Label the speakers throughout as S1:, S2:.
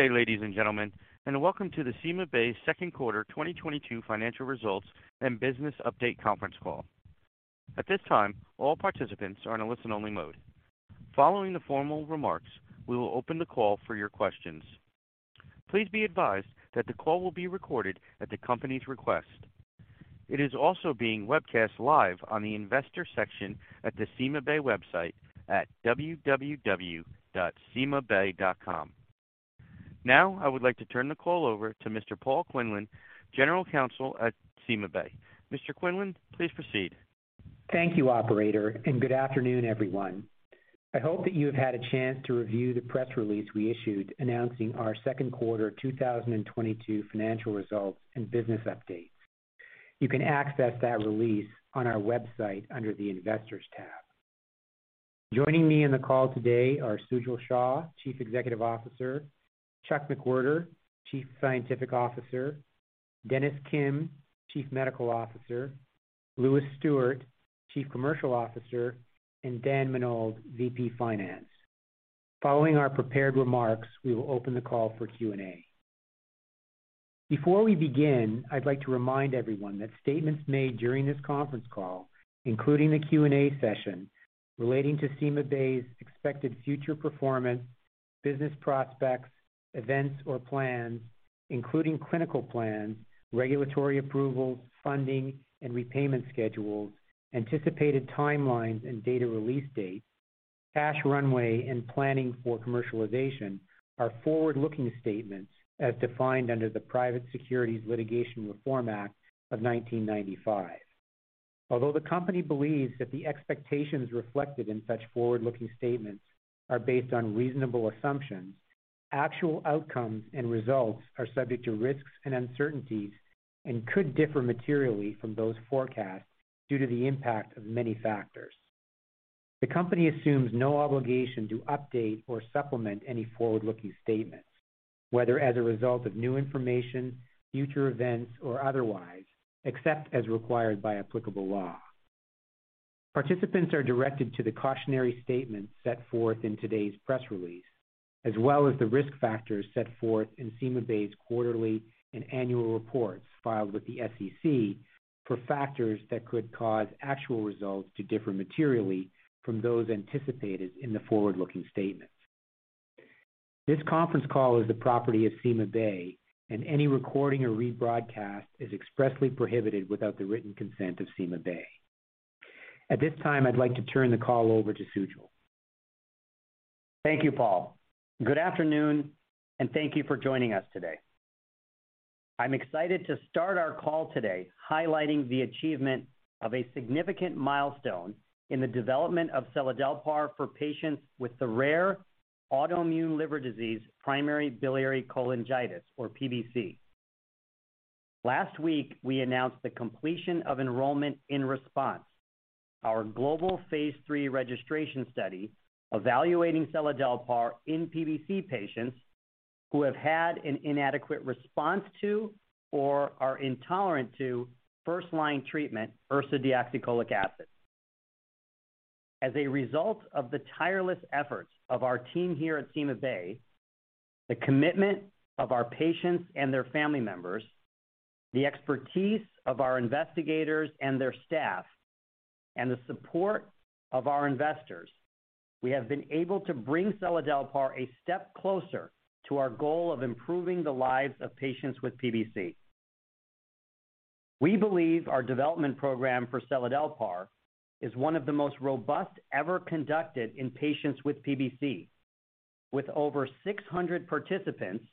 S1: Good day, ladies and gentlemen, and welcome to the CymaBay's second quarter 2022 financial results and business update conference call. At this time, all participants are in a listen-only mode. Following the formal remarks, we will open the call for your questions. Please be advised that the call will be recorded at the company's request. It is also being webcast live on the investor section at the CymaBay website at www.cymabay.com. Now, I would like to turn the call over to Mr. Paul Quinlan, General Counsel at CymaBay. Mr. Quinlan, please proceed.
S2: Thank you, operator, and good afternoon, everyone. I hope that you have had a chance to review the press release we issued announcing our second quarter 2022 financial results and business updates. You can access that release on our website under the Investors tab. Joining me in the call today are Sujal Shah, Chief Executive Officer, Charles McWherter, Chief Scientific Officer, Dennis Kim, Chief Medical Officer, Lewis Stuart, Chief Commercial Officer, and Dan Menold, VP Finance. Following our prepared remarks, we will open the call for Q&A. Before we begin, I'd like to remind everyone that statements made during this conference call, including the Q&A session relating to CymaBay's expected future performance, business prospects, events or plans, including clinical plans, regulatory approvals, funding and repayment schedules, anticipated timelines and data release dates, cash runway, and planning for commercialization are forward-looking statements as defined under the Private Securities Litigation Reform Act of 1995. Although the company believes that the expectations reflected in such forward-looking statements are based on reasonable assumptions, actual outcomes and results are subject to risks and uncertainties and could differ materially from those forecasts due to the impact of many factors. The company assumes no obligation to update or supplement any forward-looking statements, whether as a result of new information, future events, or otherwise, except as required by applicable law. Participants are directed to the cautionary statements set forth in today's press release, as well as the risk factors set forth in CymaBay's quarterly and annual reports filed with the SEC for factors that could cause actual results to differ materially from those anticipated in the forward-looking statements. This conference call is the property of CymaBay, and any recording or rebroadcast is expressly prohibited without the written consent of CymaBay. At this time, I'd like to turn the call over to Sujal.
S3: Thank you, Paul. Good afternoon, and thank you for joining us today. I'm excited to start our call today highlighting the achievement of a significant milestone in the development of Seladelpar for patients with the rare autoimmune liver disease, Primary Biliary Cholangitis, or PBC. Last week, we announced the completion of enrollment in RESPONSE, our global phase III registration study evaluating Seladelpar in PBC patients who have had an inadequate response to, or are intolerant to first-line treatment, ursodeoxycholic acid. As a result of the tireless efforts of our team here at CymaBay, the commitment of our patients and their family members, the expertise of our investigators and their staff, and the support of our investors, we have been able to bring Seladelpar a step closer to our goal of improving the lives of patients with PBC. We believe our development program for Seladelpar is one of the most robust ever conducted in patients with PBC, with over 600 participants,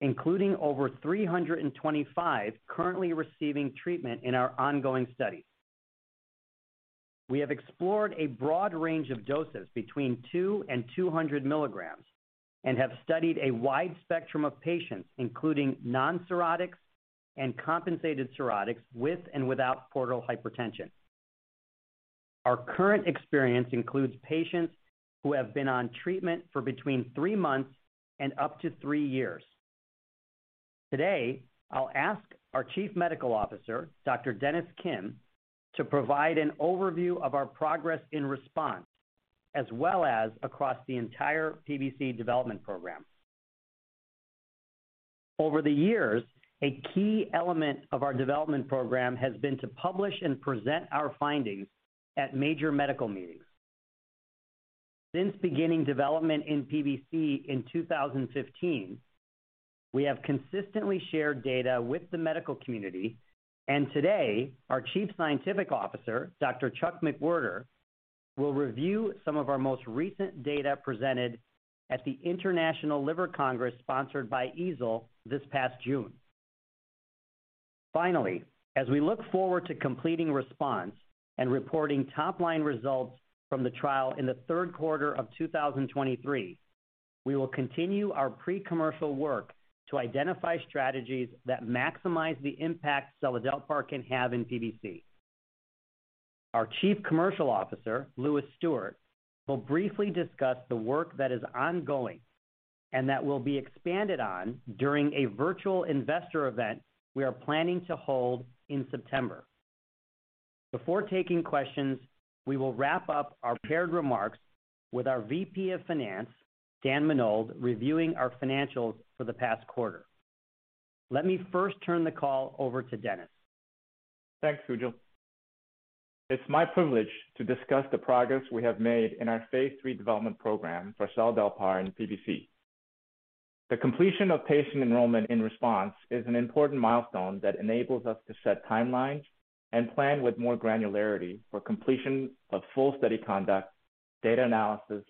S3: including over 325 currently receiving treatment in our ongoing studies. We have explored a broad range of doses between 2 and 200 milligrams and have studied a wide spectrum of patients, including non-cirrhotics and compensated cirrhotics with and without portal hypertension. Our current experience includes patients who have been on treatment for between three months and up to three years. Today, I'll ask our Chief Medical Officer, Dr. Dennis Kim, to provide an overview of our progress in RESPONSE as well as across the entire PBC development program. Over the years, a key element of our development program has been to publish and present our findings at major medical meetings. Since beginning development in PBC in 2015, we have consistently shared data with the medical community, and today our Chief Scientific Officer, Dr. Charles McWherter, will review some of our most recent data presented at the International Liver Congress sponsored by EASL this past June. Finally, as we look forward to completing RESPONSE and reporting top-line results from the trial in the third quarter of 2023, we will continue our pre-commercial work to identify strategies that maximize the impact seladelpar can have in PBC. Our Chief Commercial Officer, Lewis Stuart, will briefly discuss the work that is ongoing and that will be expanded on during a virtual investor event we are planning to hold in September. Before taking questions, we will wrap up our prepared remarks with our VP of Finance, Dan Menold, reviewing our financials for the past quarter. Let me first turn the call over to Dennis.
S4: Thanks, Sujal. It's my privilege to discuss the progress we have made in our phase III development program for seladelpar in PBC. The completion of patient enrollment in RESPONSE is an important milestone that enables us to set timelines and plan with more granularity for completion of full study conduct, data analysis,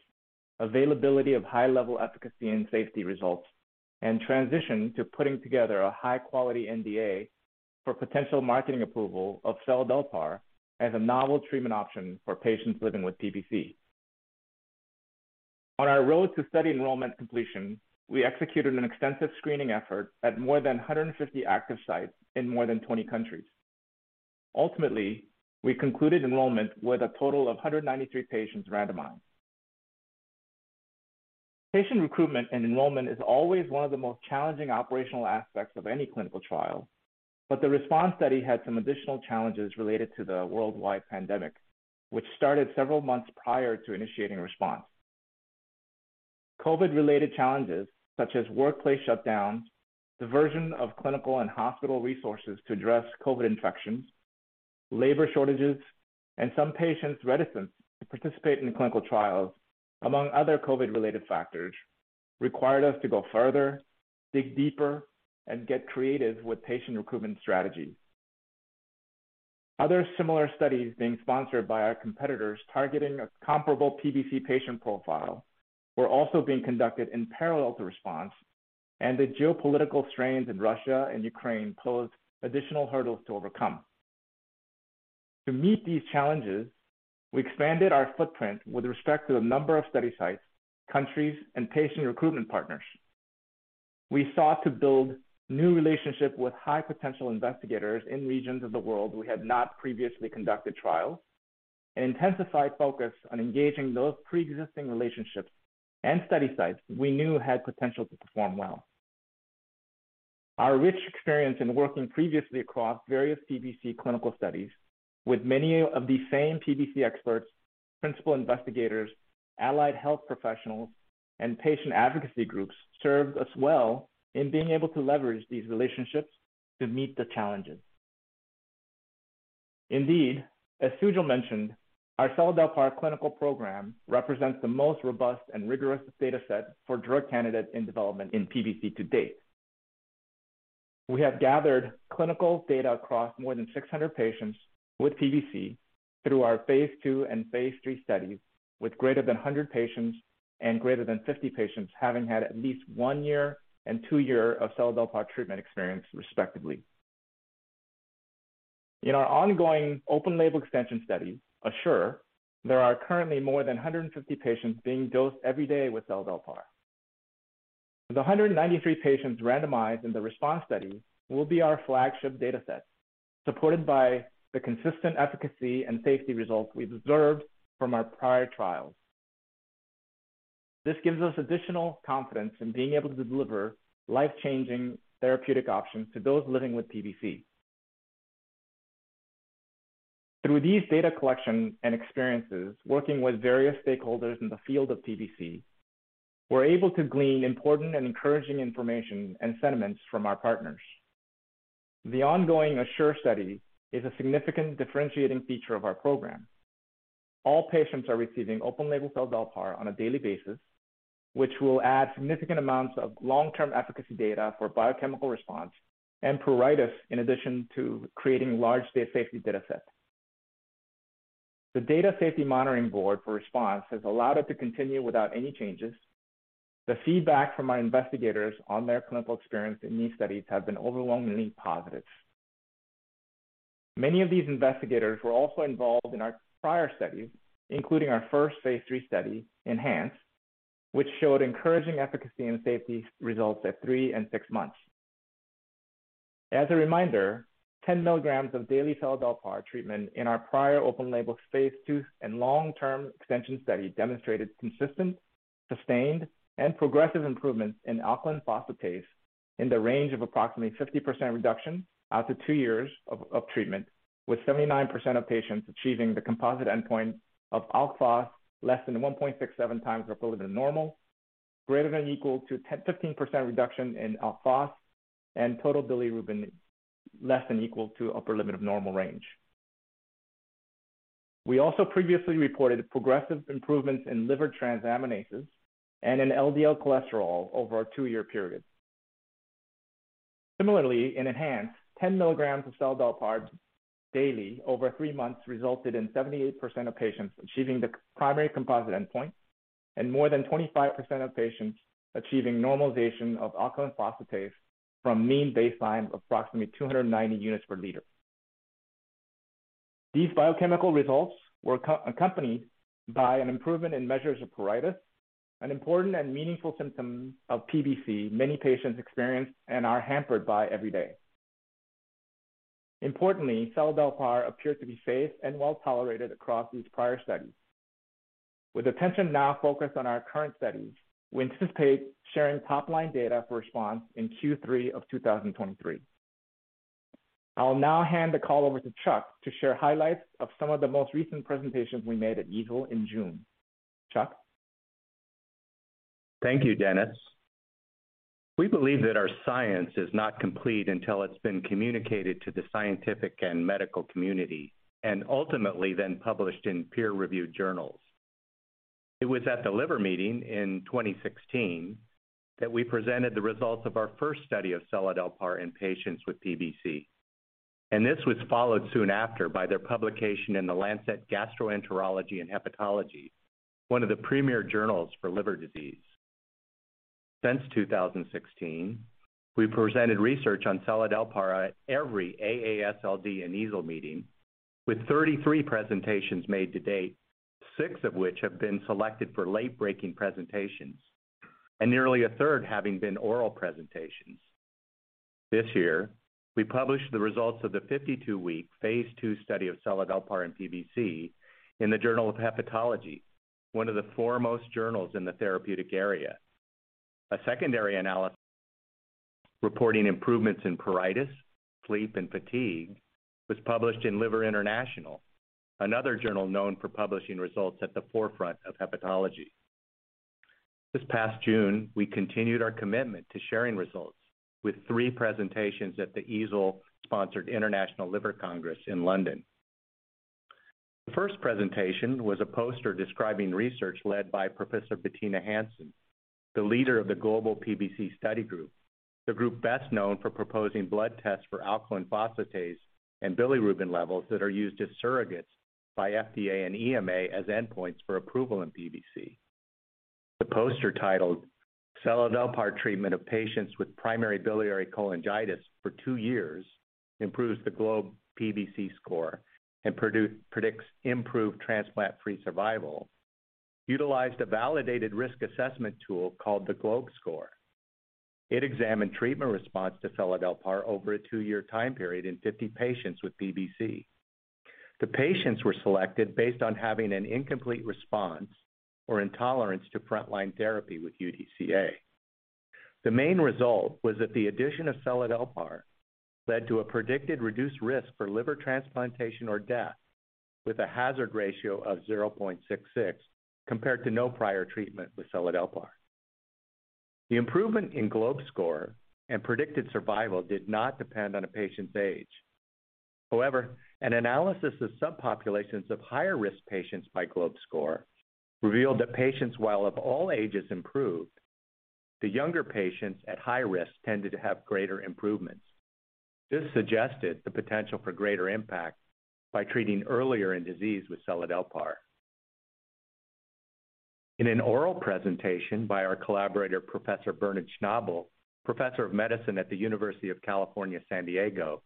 S4: availability of high-level efficacy and safety results, and transition to putting together a high-quality NDA for potential marketing approval of seladelpar as a novel treatment option for patients living with PBC. On our road to study enrollment completion, we executed an extensive screening effort at more than 150 active sites in more than 20 countries. Ultimately, we concluded enrollment with a total of 193 patients randomized. Patient recruitment and enrollment is always one of the most challenging operational aspects of any clinical trial, but the RESPONSE study had some additional challenges related to the worldwide pandemic, which started several months prior to initiating RESPONSE. COVID-related challenges, such as workplace shutdowns, diversion of clinical and hospital resources to address COVID infections, labor shortages, and some patients' reticence to participate in clinical trials, among other COVID-related factors, required us to go further, dig deeper, and get creative with patient recruitment strategies. Other similar studies being sponsored by our competitors targeting a comparable PBC patient profile were also being conducted in parallel to RESPONSE, and the geopolitical strains in Russia and Ukraine posed additional hurdles to overcome. To meet these challenges, we expanded our footprint with respect to the number of study sites, countries, and patient recruitment partners. We sought to build new relationships with high-potential investigators in regions of the world we had not previously conducted trials and intensified focus on engaging those pre-existing relationships and study sites we knew had potential to perform well. Our rich experience in working previously across various PBC clinical studies with many of the same PBC experts, principal investigators, allied health professionals, and patient advocacy groups served us well in being able to leverage these relationships to meet the challenges. Indeed, as Sujal mentioned, our seladelpar clinical program represents the most robust and rigorous data set for drug candidates in development in PBC to date. We have gathered clinical data across more than 600 patients with PBC through our phase II and phase III studies, with greater than 100 patients and greater than 50 patients having had at least one year and two years of seladelpar treatment experience respectively. In our ongoing open label extension study, ASSURE, there are currently more than 150 patients being dosed every day with seladelpar. The 193 patients randomized in the RESPONSE study will be our flagship data set, supported by the consistent efficacy and safety results we've observed from our prior trials. This gives us additional confidence in being able to deliver life-changing therapeutic options to those living with PBC. Through these data collection and experiences working with various stakeholders in the field of PBC, we're able to glean important and encouraging information and sentiments from our partners. The ongoing ASSURE study is a significant differentiating feature of our program. All patients are receiving open label seladelpar on a daily basis, which will add significant amounts of long-term efficacy data for biochemical response and pruritus, in addition to creating large data safety data sets. The data safety monitoring board for RESPONSE has allowed it to continue without any changes. The feedback from our investigators on their clinical experience in these studies have been overwhelmingly positive. Many of these investigators were also involved in our prior studies, including our first phase III study, ENHANCE, which showed encouraging efficacy and safety results at three and six months. As a reminder, 10 milligrams of daily seladelpar treatment in our prior open-label phase II and long-term extension study demonstrated consistent, sustained, and progressive improvements in alkaline phosphatase in the range of approximately 50% reduction out to two years of treatment, with 79% of patients achieving the composite endpoint of alk phos less than 1.67 times upper limit of normal, greater than or equal to 15% reduction in alk phos, and total bilirubin less than or equal to upper limit of normal range. We also previously reported progressive improvements in liver transaminases and in LDL cholesterol over a two-year period. Similarly, in ENHANCE, 10 milligrams of seladelpar daily over three months resulted in 78% of patients achieving the primary composite endpoint and more than 25% of patients achieving normalization of alkaline phosphatase from mean baseline of approximately 290 units per liter. These biochemical results were accompanied by an improvement in measures of pruritus, an important and meaningful symptom of PBC many patients experience and are hampered by every day. Importantly, seladelpar appeared to be safe and well-tolerated across these prior studies. With attention now focused on our current studies, we anticipate sharing top-line data for RESPONSE in Q3 of 2023. I'll now hand the call over to Charles to share highlights of some of the most recent presentations we made at EASL in June. Charles?
S5: Thank you, Dennis. We believe that our science is not complete until it's been communicated to the scientific and medical community and ultimately then published in peer-reviewed journals. It was at the Liver meeting in 2016 that we presented the results of our first study of seladelpar in patients with PBC, and this was followed soon after by their publication in The Lancet Gastroenterology & Hepatology, one of the premier journals for liver disease. Since 2016, we've presented research on seladelpar at every AASLD and EASL meeting, with 33 presentations made to date, six of which have been selected for late-breaking presentations, and nearly a third having been oral presentations. This year, we published the results of the 52-week phase II study of seladelpar in PBC in the Journal of Hepatology, one of the foremost journals in the therapeutic area. A secondary analysis reporting improvements in pruritus, sleep, and fatigue was published in Liver International, another journal known for publishing results at the forefront of hepatology. This past June, we continued our commitment to sharing results with three presentations at the EASL-sponsored International Liver Congress in London. The first presentation was a poster describing research led by Professor Bettina Hansen, the leader of the Global PBC Study Group, the group best known for proposing blood tests for alkaline phosphatase and bilirubin levels that are used as surrogates by FDA and EMA as endpoints for approval in PBC. The poster titled "Seladelpar Treatment of Patients With Primary Biliary Cholangitis for Two Years Improves the GLOBE PBC Score and Predicts Improved Transplant-Free Survival," utilized a validated risk assessment tool called the GLOBE score. It examined treatment response to seladelpar over a two-year time period in 50 patients with PBC. The patients were selected based on having an incomplete response or intolerance to frontline therapy with UDCA. The main result was that the addition of seladelpar led to a predicted reduced risk for liver transplantation or death with a hazard ratio of 0.66 compared to no prior treatment with seladelpar. The improvement in GLOBE score and predicted survival did not depend on a patient's age. However, an analysis of subpopulations of higher-risk patients by GLOBE score revealed that patients, while of all ages improved, the younger patients at high risk tended to have greater improvements. This suggested the potential for greater impact by treating earlier in disease with seladelpar. In an oral presentation by our collaborator, Professor Bernd Schnabl, Professor of Medicine at the University of California, San Diego,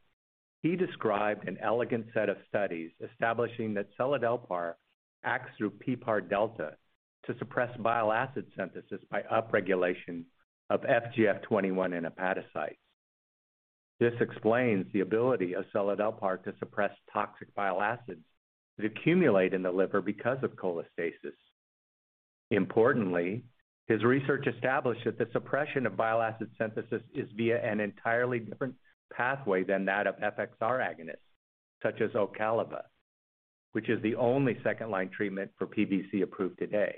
S5: he described an elegant set of studies establishing that seladelpar acts through PPAR delta to suppress bile acid synthesis by upregulation of FGF21 in hepatocytes. This explains the ability of seladelpar to suppress toxic bile acids that accumulate in the liver because of cholestasis. Importantly, his research established that the suppression of bile acid synthesis is via an entirely different pathway than that of FXR agonists, such as Ocaliva, which is the only second-line treatment for PBC approved today.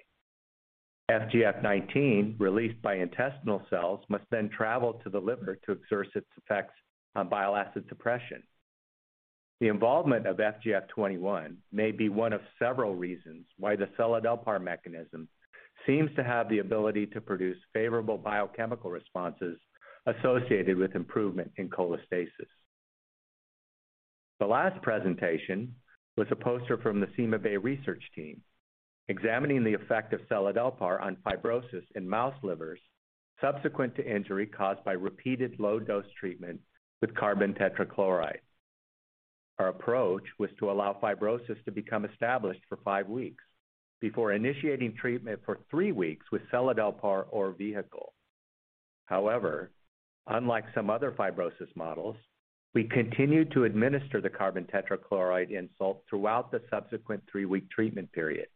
S5: FGF19, released by intestinal cells, must then travel to the liver to exert its effects on bile acid suppression. The involvement of FGF21 may be one of several reasons why the seladelpar mechanism seems to have the ability to produce favorable biochemical responses associated with improvement in cholestasis. The last presentation was a poster from the CymaBay research team examining the effect of seladelpar on fibrosis in mouse livers subsequent to injury caused by repeated low-dose treatment with carbon tetrachloride. Our approach was to allow fibrosis to become established for five weeks before initiating treatment for three weeks with seladelpar or vehicle. However, unlike some other fibrosis models, we continued to administer the carbon tetrachloride insult throughout the subsequent three-week treatment period.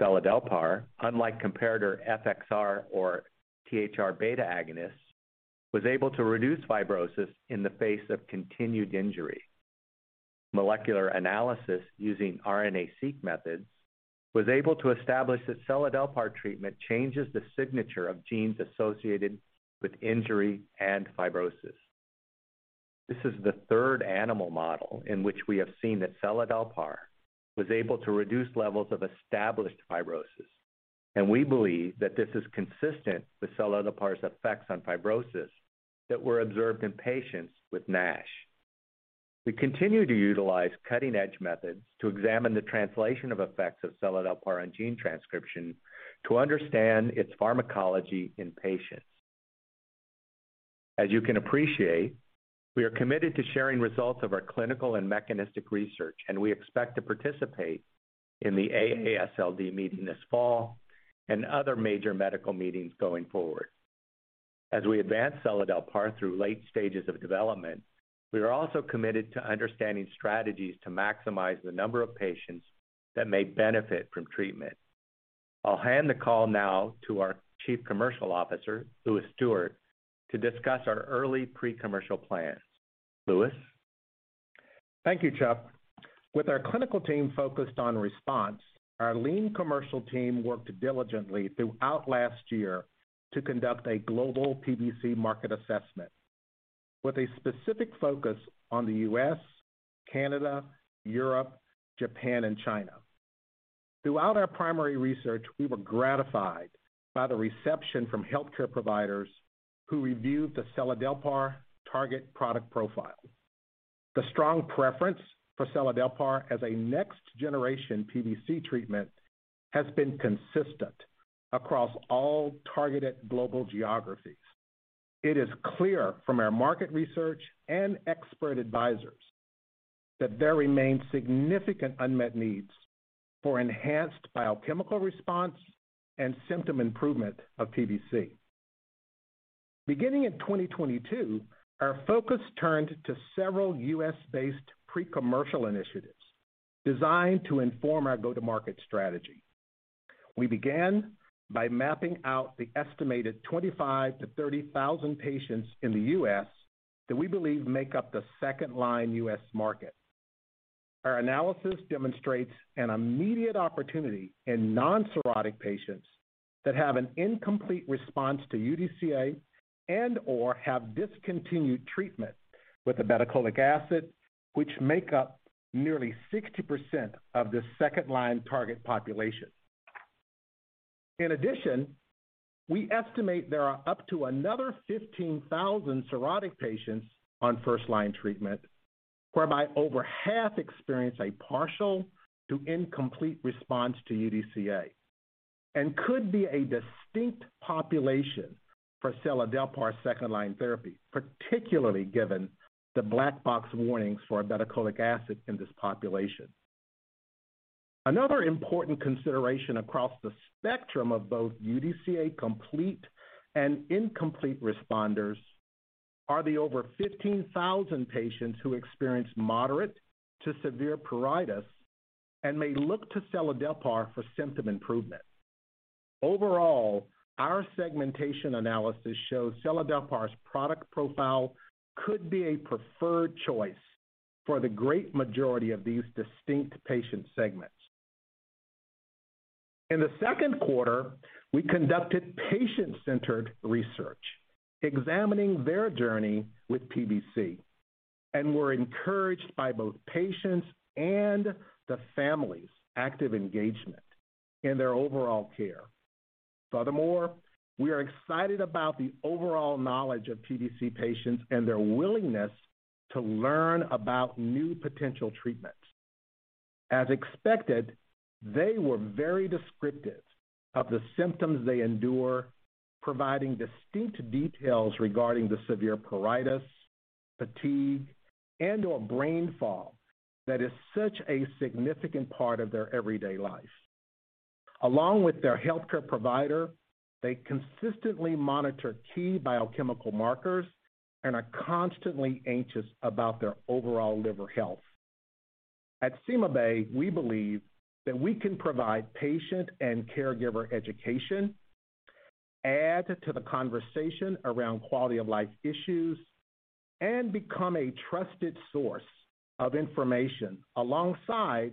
S5: Seladelpar, unlike comparator FXR or THR-β agonists, was able to reduce fibrosis in the face of continued injury. Molecular analysis using RNA-Seq methods was able to establish that seladelpar treatment changes the signature of genes associated with injury and fibrosis. This is the third animal model in which we have seen that seladelpar was able to reduce levels of established fibrosis, and we believe that this is consistent with seladelpar's effects on fibrosis that were observed in patients with NASH. We continue to utilize cutting-edge methods to examine the translation of effects of seladelpar on gene transcription to understand its pharmacology in patients. As you can appreciate, we are committed to sharing results of our clinical and mechanistic research, and we expect to participate in the AASLD meeting this fall and other major medical meetings going forward. As we advance seladelpar through late stages of development, we are also committed to understanding strategies to maximize the number of patients that may benefit from treatment. I'll hand the call now to our Chief Commercial Officer, Lewis Stuart, to discuss our early pre-commercial plans. Lewis?
S6: Thank you, Charles. With our clinical team focused on RESPONSE, our lean commercial team worked diligently throughout last year to conduct a global PBC market assessment with a specific focus on the U.S., Canada, Europe, Japan, and China. Throughout our primary research, we were gratified by the reception from healthcare providers who reviewed the seladelpar target product profile. The strong preference for seladelpar as a next generation PBC treatment has been consistent across all targeted global geographies. It is clear from our market research and expert advisors that there remains significant unmet needs for enhanced biochemical response and symptom improvement of PBC. Beginning in 2022, our focus turned to several U.S.-based pre-commercial initiatives designed to inform our go-to-market strategy. We began by mapping out the estimated 25-30,000 patients in the U.S. that we believe make up the second-line U.S. market. Our analysis demonstrates an immediate opportunity in non-cirrhotic patients that have an incomplete response to UDCA and/or have discontinued treatment with ursodeoxycholic acid, which make up nearly 60% of the second-line target population. In addition, we estimate there are up to another 15,000 cirrhotic patients on first-line treatment, whereby over half experience a partial to incomplete response to UDCA and could be a distinct population for seladelpar second-line therapy, particularly given the black box warnings for ursodeoxycholic acid in this population. Another important consideration across the spectrum of both UDCA complete and incomplete responders are the over 15,000 patients who experience moderate to severe pruritus and may look to seladelpar for symptom improvement. Overall, our segmentation analysis shows seladelpar's product profile could be a preferred choice for the great majority of these distinct patient segments. In the second quarter, we conducted patient-centered research examining their journey with PBC and were encouraged by both patients' and the families' active engagement in their overall care. Furthermore, we are excited about the overall knowledge of PBC patients and their willingness to learn about new potential treatments. As expected, they were very descriptive of the symptoms they endure, providing distinct details regarding the severe pruritus, fatigue, and/or brain fog that is such a significant part of their everyday life. Along with their healthcare provider, they consistently monitor key biochemical markers and are constantly anxious about their overall liver health. At CymaBay, we believe that we can provide patient and caregiver education, add to the conversation around quality-of-life issues, and become a trusted source of information alongside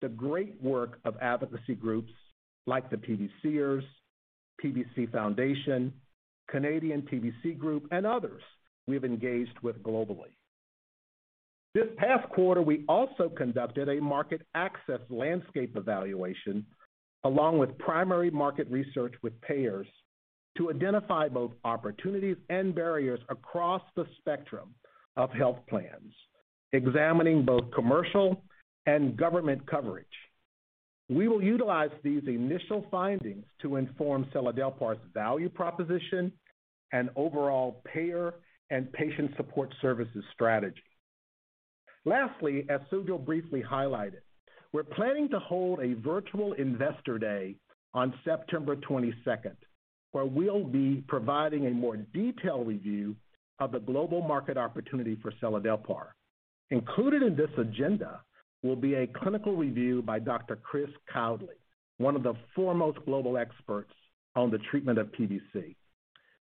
S6: the great work of advocacy groups like the PBCers, PBC Foundation, Canadian PBC Society, and others we've engaged with globally. This past quarter, we also conducted a market access landscape evaluation along with primary market research with payers to identify both opportunities and barriers across the spectrum of health plans, examining both commercial and government coverage. We will utilize these initial findings to inform seladelpar's value proposition and overall payer and patient support services strategy. Lastly, as Sujal briefly highlighted, we're planning to hold a virtual investor day on September 22nd, where we'll be providing a more detailed review of the global market opportunity for seladelpar. Included in this agenda will be a clinical review by Dr. Chris Bowlus, one of the foremost global experts on the treatment of PBC.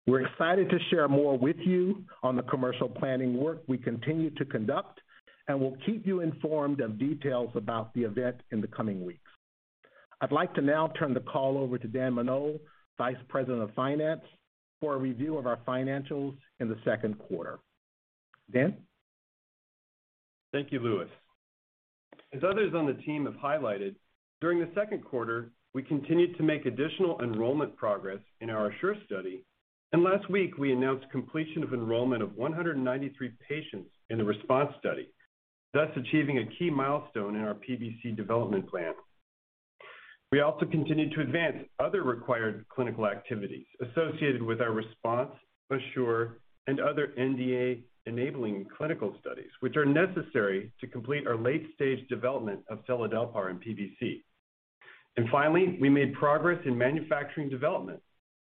S6: We're excited to share more with you on the commercial planning work we continue to conduct, and we'll keep you informed of details about the event in the coming weeks. I'd like to now turn the call over to Daniel Menold, Vice President of Finance, for a review of our financials in the second quarter. Dan?
S7: Thank you, Lewis. As others on the team have highlighted, during the second quarter, we continued to make additional enrollment progress in our ASSURE study, and last week, we announced completion of enrollment of 193 patients in the RESPONSE study, thus achieving a key milestone in our PBC development plan. We also continued to advance other required clinical activities associated with our RESPONSE, ASSURE, and other NDA-enabling clinical studies, which are necessary to complete our late-stage development of seladelpar in PBC. Finally, we made progress in manufacturing development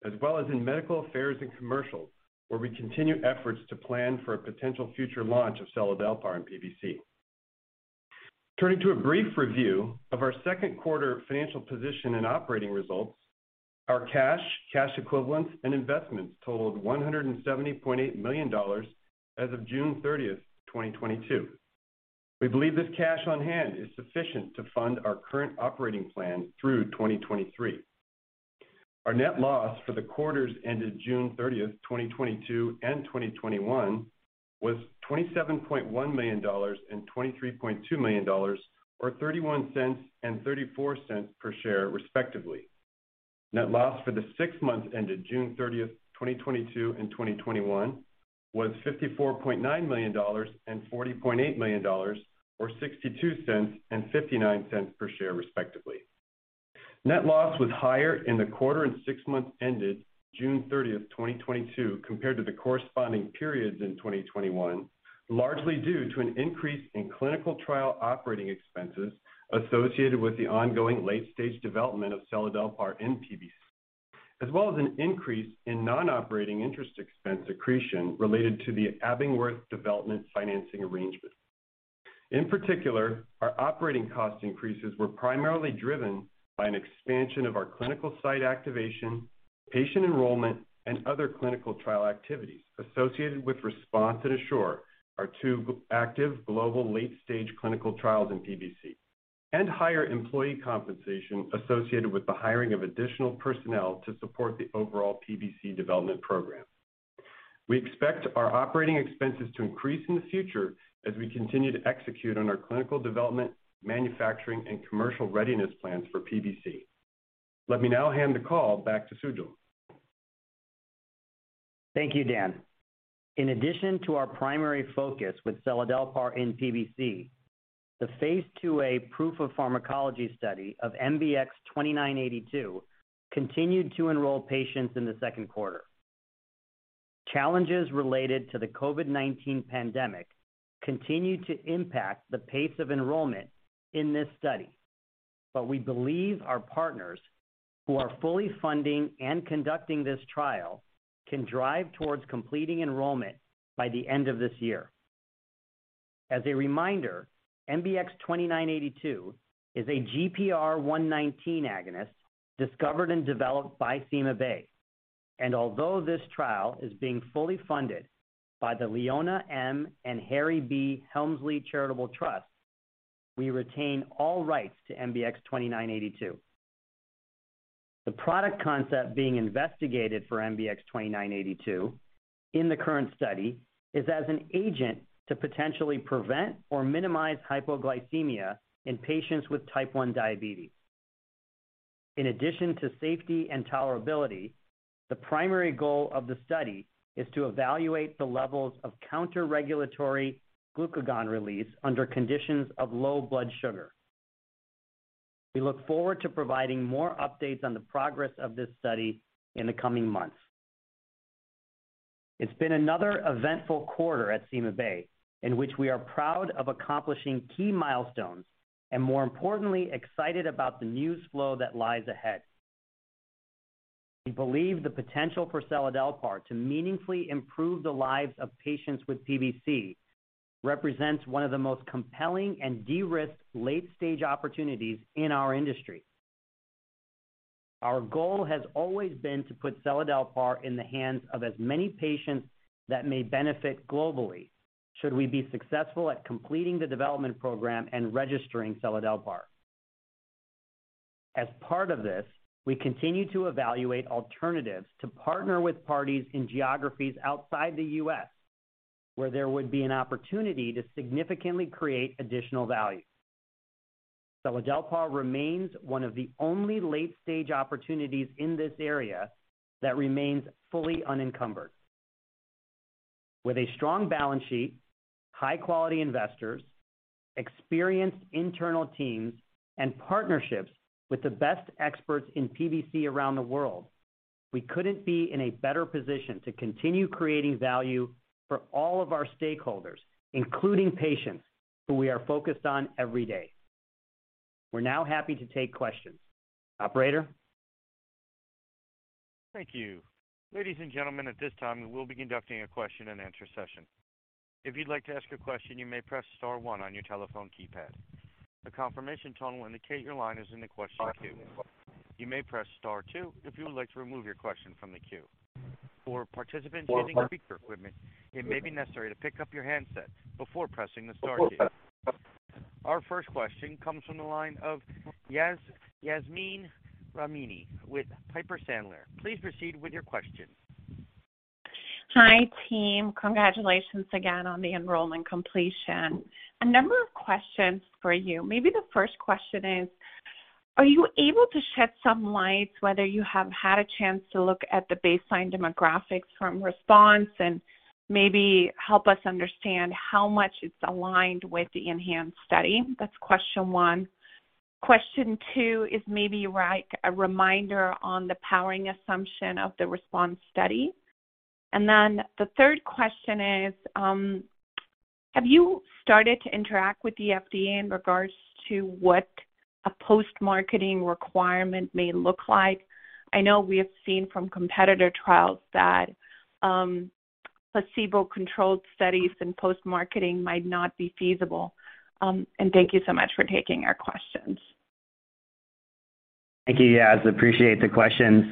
S7: as well as in medical affairs and commercials, where we continue efforts to plan for a potential future launch of seladelpar in PBC. Turning to a brief review of our second quarter financial position and operating results. Our cash equivalents, and investments totaled $170.8 million as of June 30th, 2022. We believe this cash on hand is sufficient to fund our current operating plan through 2023. Our net loss for the quarters ended June 30th, 2022 and 2021 was $27.1 million and $23.2 million, or $0.31 and $0.34 per share, respectively. Net loss for the six months ended June 30th, 2022 and 2021 was $54.9 million and $40.8 million, or $0.62 and $0.59 per share, respectively. Net loss was higher in the quarter and six months ended June 30th, 2022 compared to the corresponding periods in 2021, largely due to an increase in clinical trial operating expenses associated with the ongoing late-stage development of seladelpar in PBC, as well as an increase in non-operating interest expense accretion related to the Abingworth development financing arrangement. In particular, our operating cost increases were primarily driven by an expansion of our clinical site activation, patient enrollment, and other clinical trial activities associated with RESPONSE and ASSURE, our two active global late-stage clinical trials in PBC, and higher employee compensation associated with the hiring of additional personnel to support the overall PBC development program. We expect our operating expenses to increase in the future as we continue to execute on our clinical development, manufacturing, and commercial readiness plans for PBC. Let me now hand the call back to Sujal.
S3: Thank you, Dan. In addition to our primary focus with seladelpar in PBC, the phase 2a proof of pharmacology study of MBX-2982 continued to enroll patients in the second quarter. Challenges related to the COVID-19 pandemic continued to impact the pace of enrollment in this study. We believe our partners, who are fully funding and conducting this trial, can drive towards completing enrollment by the end of this year. As a reminder, MBX-2982 is a GPR119 agonist discovered and developed by CymaBay. Although this trial is being fully funded by the Leona M. and Harry B. Helmsley Charitable Trust, we retain all rights to MBX-2982. The product concept being investigated for MBX-2982 in the current study is as an agent to potentially prevent or minimize hypoglycemia in patients with type 1 diabetes. In addition to safety and tolerability, the primary goal of the study is to evaluate the levels of counter-regulatory glucagon release under conditions of low blood sugar. We look forward to providing more updates on the progress of this study in the coming months. It's been another eventful quarter at CymaBay, in which we are proud of accomplishing key milestones and, more importantly, excited about the news flow that lies ahead. We believe the potential for seladelpar to meaningfully improve the lives of patients with PBC represents one of the most compelling and de-risked late-stage opportunities in our industry. Our goal has always been to put seladelpar in the hands of as many patients that may benefit globally should we be successful at completing the development program and registering seladelpar. As part of this, we continue to evaluate alternatives to partner with parties in geographies outside the U.S. where there would be an opportunity to significantly create additional value. Seladelpar remains one of the only late-stage opportunities in this area that remains fully unencumbered. With a strong balance sheet, high-quality investors, experienced internal teams, and partnerships with the best experts in PBC around the world, we couldn't be in a better position to continue creating value for all of our stakeholders, including patients, who we are focused on every day. We're now happy to take questions. Operator?
S1: Thank you. Ladies and gentlemen, at this time, we will be conducting a question and answer session. If you'd like to ask a question, you may press star one on your telephone keypad. A confirmation tone will indicate your line is in the question queue. You may press star two if you would like to remove your question from the queue. For participants using speaker equipment, it may be necessary to pick up your handset before pressing the star key. Our first question comes from the line of Yasmeen Rahimi with Piper Sandler. Please proceed with your question.
S8: Hi, team. Congratulations again on the enrollment completion. A number of questions for you. Maybe the first question is, are you able to shed some light whether you have had a chance to look at the baseline demographics from RESPONSE and maybe help us understand how much it's aligned with the ENHANCE study? That's question one. Question two is maybe like a reminder on the powering assumption of the RESPONSE study. The third question is, have you started to interact with the FDA in regards to what a post-marketing requirement may look like? I know we have seen from competitor trials that, placebo-controlled studies in post-marketing might not be feasible. Thank you so much for taking our questions.
S3: Thank you, guys. Appreciate the questions.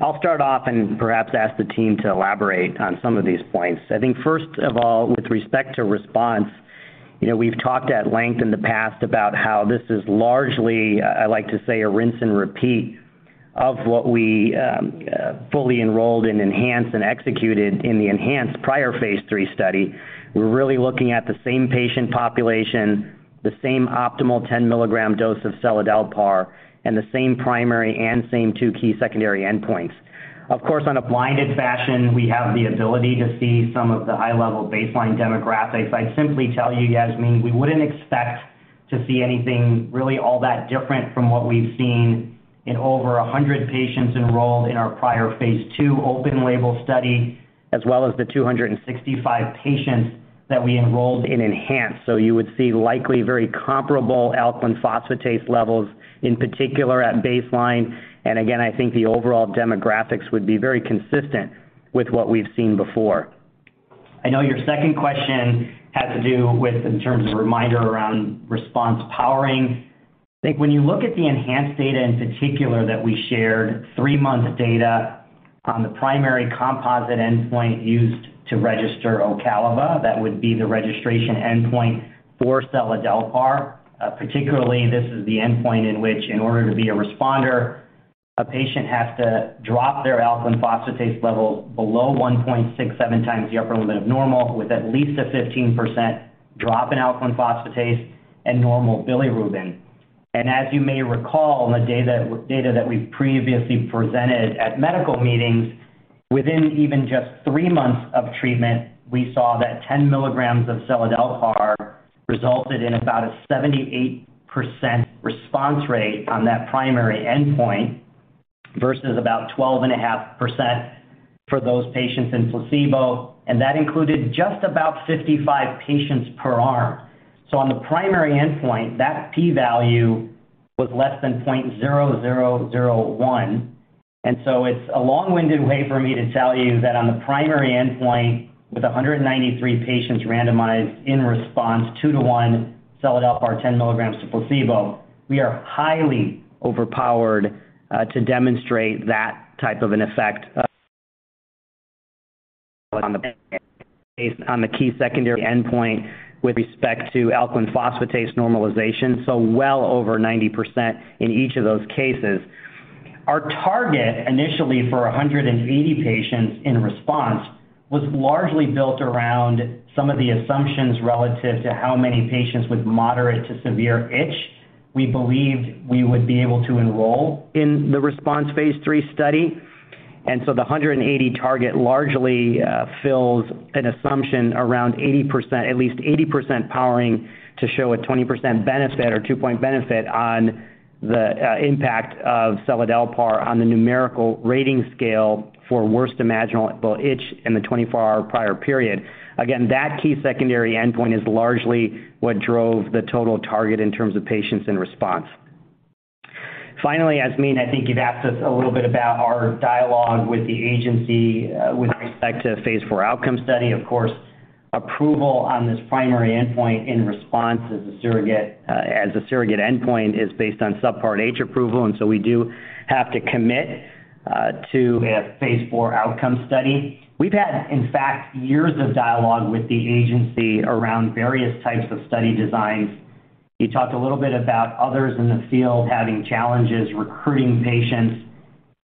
S3: I'll start off and perhaps ask the team to elaborate on some of these points. I think first of all, with respect to RESPONSE, you know, we've talked at length in the past about how this is largely, I like to say, a rinse and repeat of what we fully enrolled in ENHANCE and executed in the ENHANCE prior phase III study. We're really looking at the same patient population, the same optimal 10-milligram dose of seladelpar, and the same primary and same two key secondary endpoints. Of course, on a blinded fashion, we have the ability to see some of the high-level baseline demographics. I'd simply tell you, Yasmeen, we wouldn't expect to see anything really all that different from what we've seen in over 100 patients enrolled in our prior phase II open label study, as well as the 265 patients that we enrolled in ENHANCE. You would see likely very comparable alkaline phosphatase levels, in particular at baseline. Again, I think the overall demographics would be very consistent with what we've seen before. I know your second question had to do with in terms of reminder around response powering. I think when you look at the ENHANCE data in particular that we shared, three-month data on the primary composite endpoint used to register Ocaliva, that would be the registration endpoint for seladelpar. Particularly, this is the endpoint in which, in order to be a responder, a patient has to drop their alkaline phosphatase levels below 1.67 times the upper limit of normal, with at least a 15% drop in alkaline phosphatase and normal bilirubin. As you may recall, in the data that we previously presented at medical meetings, within even just three months of treatment, we saw that 10 milligrams of seladelpar resulted in about a 78% response rate on that primary endpoint versus about 12.5% for those patients in placebo. That included just about 55 patients per arm. On the primary endpoint, that P value was less than 0.001. It's a long-winded way for me to tell you that on the primary endpoint, with 193 patients randomized in RESPONSE, two to one, seladelpar 10 milligrams to placebo, we are highly overpowered to demonstrate that type of an effect on the basis of the key secondary endpoint with respect to alkaline phosphatase normalization, so well over 90% in each of those cases. Our target initially for 180 patients in RESPONSE was largely built around some of the assumptions relative to how many patients with moderate to severe itch we believed we would be able to enroll in the RESPONSE Phase III study. The 180 target largely fills an assumption around 80%—at least 80% powering to show a 20% benefit or 2-point benefit on the impact of seladelpar on the numerical rating scale for worst imaginable itch in the 24-hour prior period. Again, that key secondary endpoint is largely what drove the total target in terms of patients in response. Finally, Yasmeen, I think you've asked us a little bit about our dialogue with the agency with respect to the phase IIII outcome study. Of course, approval on this primary endpoint in response as a surrogate as a surrogate endpoint is based on Subpart H approval, and so we do have to commit to a phase IIII outcome study. We've had, in fact, years of dialogue with the agency around various types of study designs. You talked a little bit about others in the field having challenges recruiting patients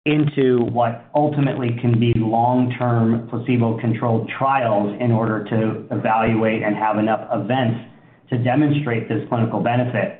S3: into what ultimately can be long-term placebo-controlled trials in order to evaluate and have enough events to demonstrate this clinical benefit.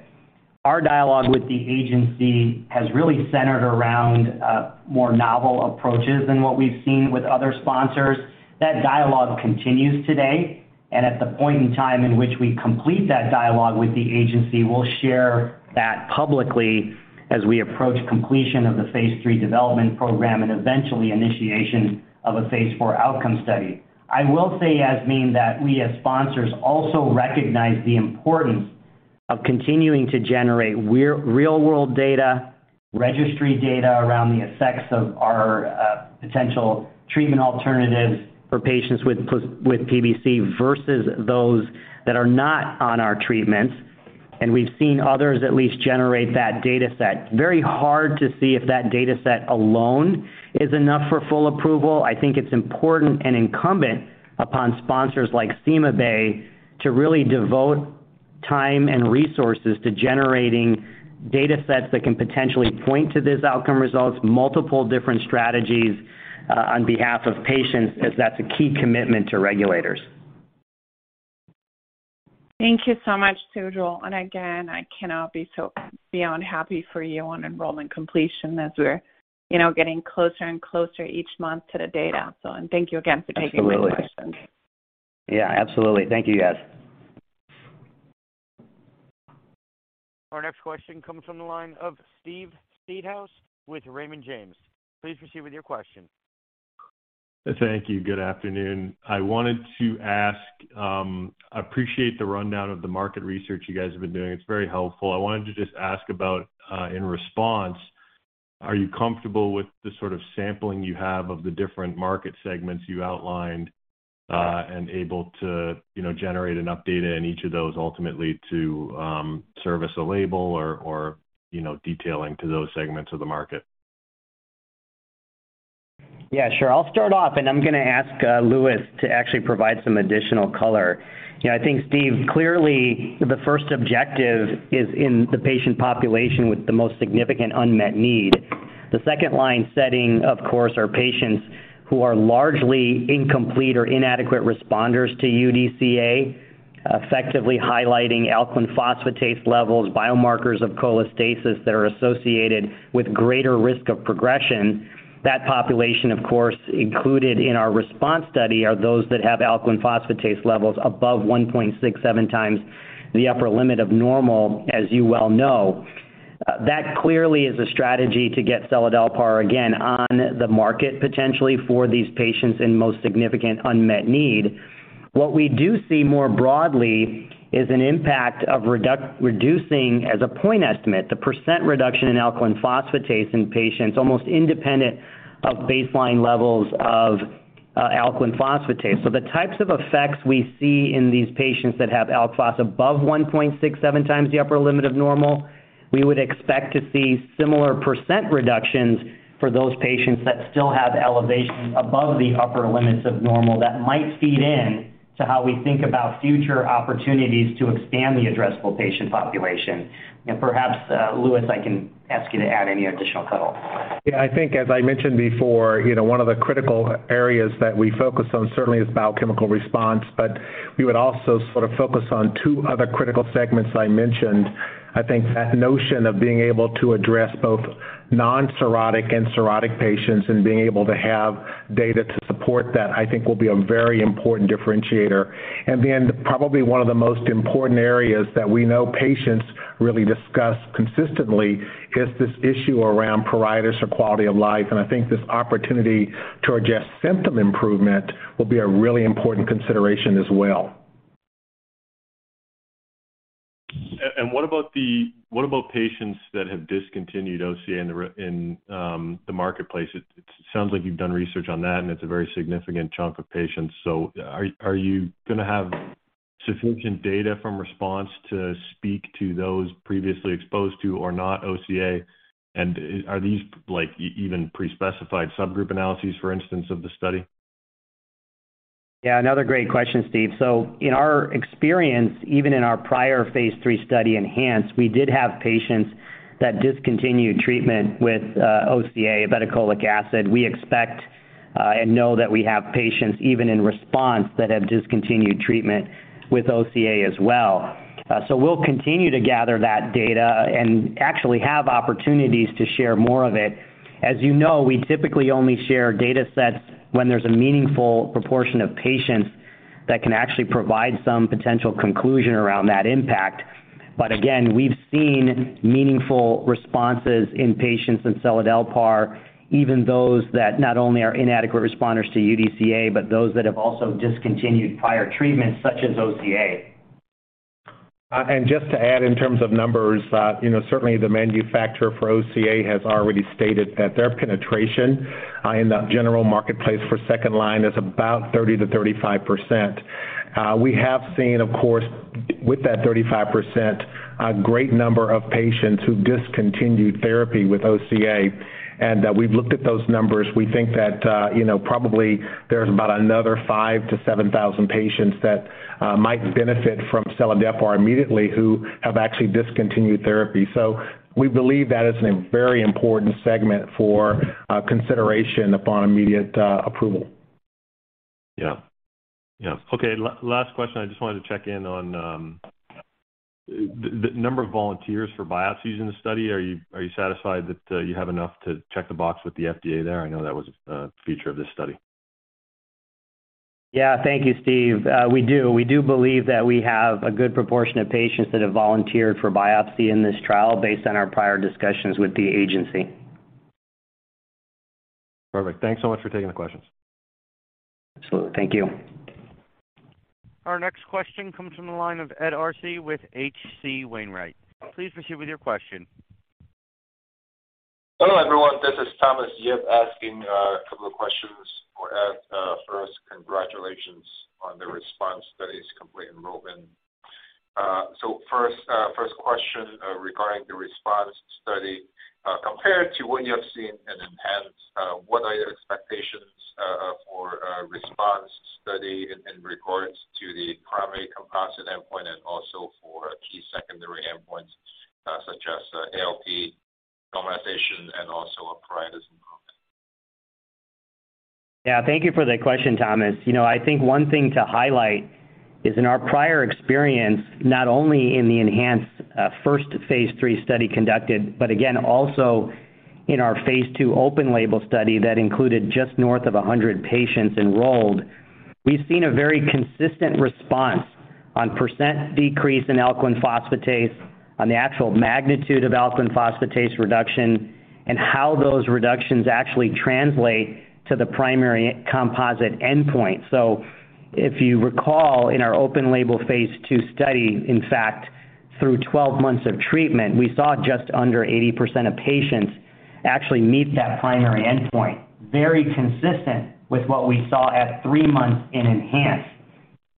S3: Our dialogue with the agency has really centered around more novel approaches than what we've seen with other sponsors. That dialogue continues today. At the point in time in which we complete that dialogue with the agency, we'll share that publicly as we approach completion of the phase III development program and eventually initiation of a phase IIII outcome study. I will say, Yasmeen, that we as sponsors also recognize the importance of continuing to generate real world data, registry data around the effects of our potential treatment alternatives for patients with PBC versus those that are not on our treatments. We've seen others at least generate that data set. Very hard to see if that data set alone is enough for full approval. I think it's important and incumbent upon sponsors like CymaBay to really devote time and resources to generating data sets that can potentially point to this outcome results, multiple different strategies, on behalf of patients, as that's a key commitment to regulators.
S8: Thank you so much, Sujal. Again, I cannot be so beyond happy for you on enrollment completion as we're, you know, getting closer and closer each month to the data. Thank you again for taking my questions.
S3: Yeah, absolutely. Thank you, Yasmeen.
S1: Our next question comes from the line of Steven Seedhouse with Raymond James. Please proceed with your question.
S9: Thank you. Good afternoon. I wanted to ask, I appreciate the rundown of the market research you guys have been doing. It's very helpful. I wanted to just ask about, in RESPONSE, are you comfortable with the sort of sampling you have of the different market segments you outlined, and able to, you know, generate enough data in each of those ultimately to, service a label or, you know, detailing to those segments of the market?
S3: Yeah, sure. I'll start off, and I'm gonna ask, Lewis to actually provide some additional color. You know, I think, Steve, clearly the first objective is in the patient population with the most significant unmet need. The second-line setting, of course, are patients who are largely incomplete or inadequate responders to UDCA, effectively highlighting alkaline phosphatase levels, biomarkers of cholestasis that are associated with greater risk of progression. That population, of course, included in our response study are those that have alkaline phosphatase levels above 1.67 times the upper limit of normal, as you well know. That clearly is a strategy to get seladelpar again on the market potentially for these patients in most significant unmet need. What we do see more broadly is an impact of reducing as a point estimate, the percent reduction in alkaline phosphatase in patients almost independent of baseline levels of alkaline phosphatase. The types of effects we see in these patients that have alk phos above 1.67 times the upper limit of normal, we would expect to see similar percent reductions for those patients that still have elevations above the upper limits of normal that might feed into how we think about future opportunities to expand the addressable patient population. Perhaps, Lewis, I can ask you to add any additional color.
S6: Yeah, I think as I mentioned before, you know, one of the critical areas that we focus on certainly is biochemical response, but we would also sort of focus on two other critical segments that I mentioned. I think that notion of being able to address both non-cirrhotic and cirrhotic patients and being able to have data to support that, I think will be a very important differentiator. Probably one of the most important areas that we know patients really discuss consistently is this issue around pruritus or quality of life. I think this opportunity to address symptom improvement will be a really important consideration as well.
S9: What about patients that have discontinued OCA in the marketplace? It sounds like you've done research on that, and it's a very significant chunk of patients. Are you gonna have sufficient data from RESPONSE to speak to those previously exposed to or not OCA? Are these, like, even pre-specified subgroup analyses, for instance, of the study?
S3: Yeah, another great question, Steve. In our experience, even in our prior phase three study, ENHANCE, we did have patients that discontinued treatment with OCA, obeticholic acid. We expect and know that we have patients even in RESPONSE that have discontinued treatment with OCA as well. We'll continue to gather that data and actually have opportunities to share more of it. As you know, we typically only share datasets when there's a meaningful proportion of patients that can actually provide some potential conclusion around that impact. Again, we've seen meaningful responses in patients in seladelpar, even those that not only are inadequate responders to UDCA, but those that have also discontinued prior treatments such as OCA.
S6: Just to add in terms of numbers, you know, certainly the manufacturer for OCA has already stated that their penetration in the general marketplace for second line is about 30%-35%. We have seen, of course, with that 35%, a great number of patients who discontinued therapy with OCA, and we've looked at those numbers. We think that, you know, probably there's about another 5,000-7,000 patients that might benefit from seladelpar immediately who have actually discontinued therapy. We believe that is a very important segment for consideration upon immediate approval.
S9: Yeah. Yeah. Okay, last question, I just wanted to check in on the number of volunteers for biopsies in the study. Are you satisfied that you have enough to check the box with the FDA there? I know that was a feature of this study.
S3: Yeah. Thank you, Steve. We do believe that we have a good proportion of patients that have volunteered for biopsy in this trial based on our prior discussions with the agency.
S9: Perfect. Thanks so much for taking the questions.
S3: Absolutely. Thank you.
S1: Our next question comes from the line of Ed Arce with H.C. Wainwright. Please proceed with your question.
S10: Hello, everyone. This is Thomas Yip asking a couple of questions for Ed. First, congratulations on the RESPONSE study's complete enrollment. First question regarding the RESPONSE study. Compared to what you have seen in ENHANCE, what are your expectations for RESPONSE study in regards to the primary composite endpoint and also for key secondary endpoints, such as ALP normalization and also a pruritus improvement?
S3: Yeah. Thank you for that question, Thomas. You know, I think one thing to highlight is in our prior experience, not only in the ENHANCE first phase 3 study conducted, but again also in our phase II open label study that included just north of 100 patients enrolled. We've seen a very consistent response on percent decrease in alkaline phosphatase, on the actual magnitude of alkaline phosphatase reduction, and how those reductions actually translate to the primary composite endpoint. If you recall, in our open label phase II study, in fact, through 12 months of treatment, we saw just under 80% of patients actually meet that primary endpoint, very consistent with what we saw at three months in ENHANCE.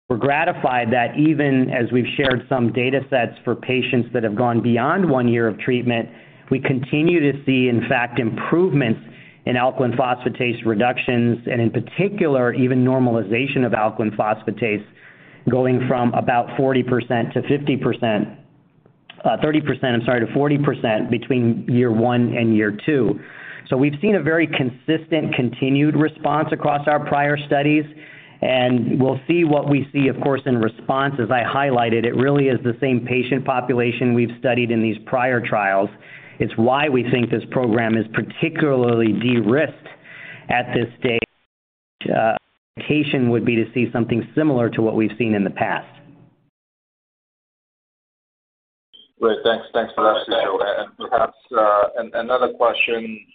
S3: We're gratified that even as we've shared some data sets for patients that have gone beyond one year of treatment, we continue to see, in fact, improvements in alkaline phosphatase reductions, and in particular, even normalization of alkaline phosphatase going from about 40% to 50%. 30%, I'm sorry, to 40% between year one and year two. We've seen a very consistent continued response across our prior studies, and we'll see what we see, of course, in response. As I highlighted, it really is the same patient population we've studied in these prior trials. It's why we think this program is particularly de-risked at this stage. Expectation would be to see something similar to what we've seen in the past.
S10: Great. Thanks. Thanks for that, Sujal. Perhaps another question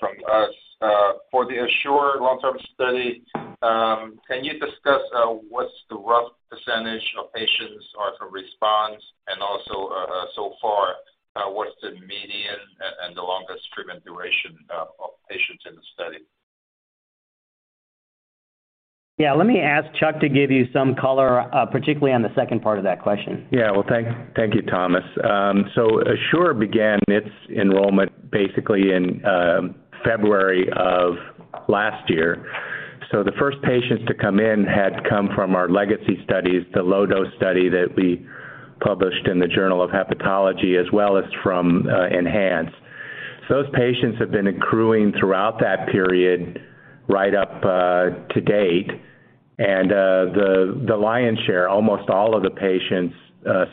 S10: from us. For the ASSURE long-term study, can you discuss what's the rough percentage of patients are to RESPONSE and also so far what's the median and the longest treatment duration of patients in the study?
S3: Yeah. Let me ask Charles to give you some color, particularly on the second part of that question.
S5: Yeah. Well, thank you, Thomas. ASSURE began its enrollment basically in February of last year. The first patients to come in had come from our legacy studies, the low-dose study that we published in the Journal of Hepatology as well as from ENHANCE. Those patients have been accruing throughout that period right up to date. The lion's share, almost all of the patients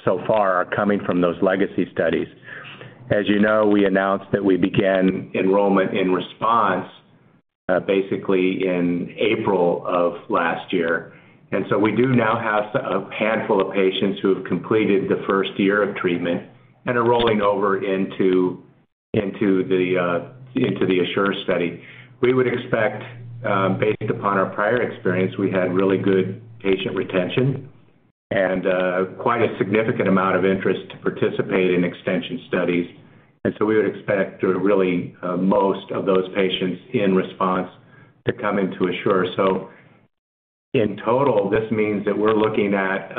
S5: so far are coming from those legacy studies. As you know, we announced that we began enrollment in RESPONSE basically in April of last year. We do now have a handful of patients who have completed the first year of treatment and are rolling over into the ASSURE study. We would expect, based upon our prior experience, we had really good patient retention and, quite a significant amount of interest to participate in extension studies. We would expect to really, most of those patients in RESPONSE to come into ASSURE. In total, this means that we're looking at,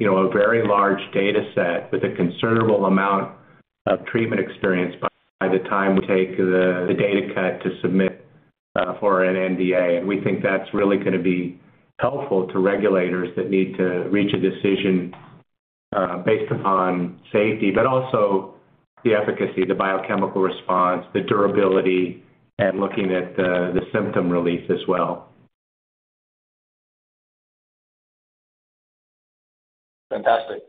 S5: you know, a very large data set with a considerable amount of treatment experience by the time we take the data cut to submit, for an NDA. We think that's really gonna be helpful to regulators that need to reach a decision, based upon safety, but also the efficacy, the biochemical response, the durability, and looking at the symptom relief as well.
S10: Fantastic.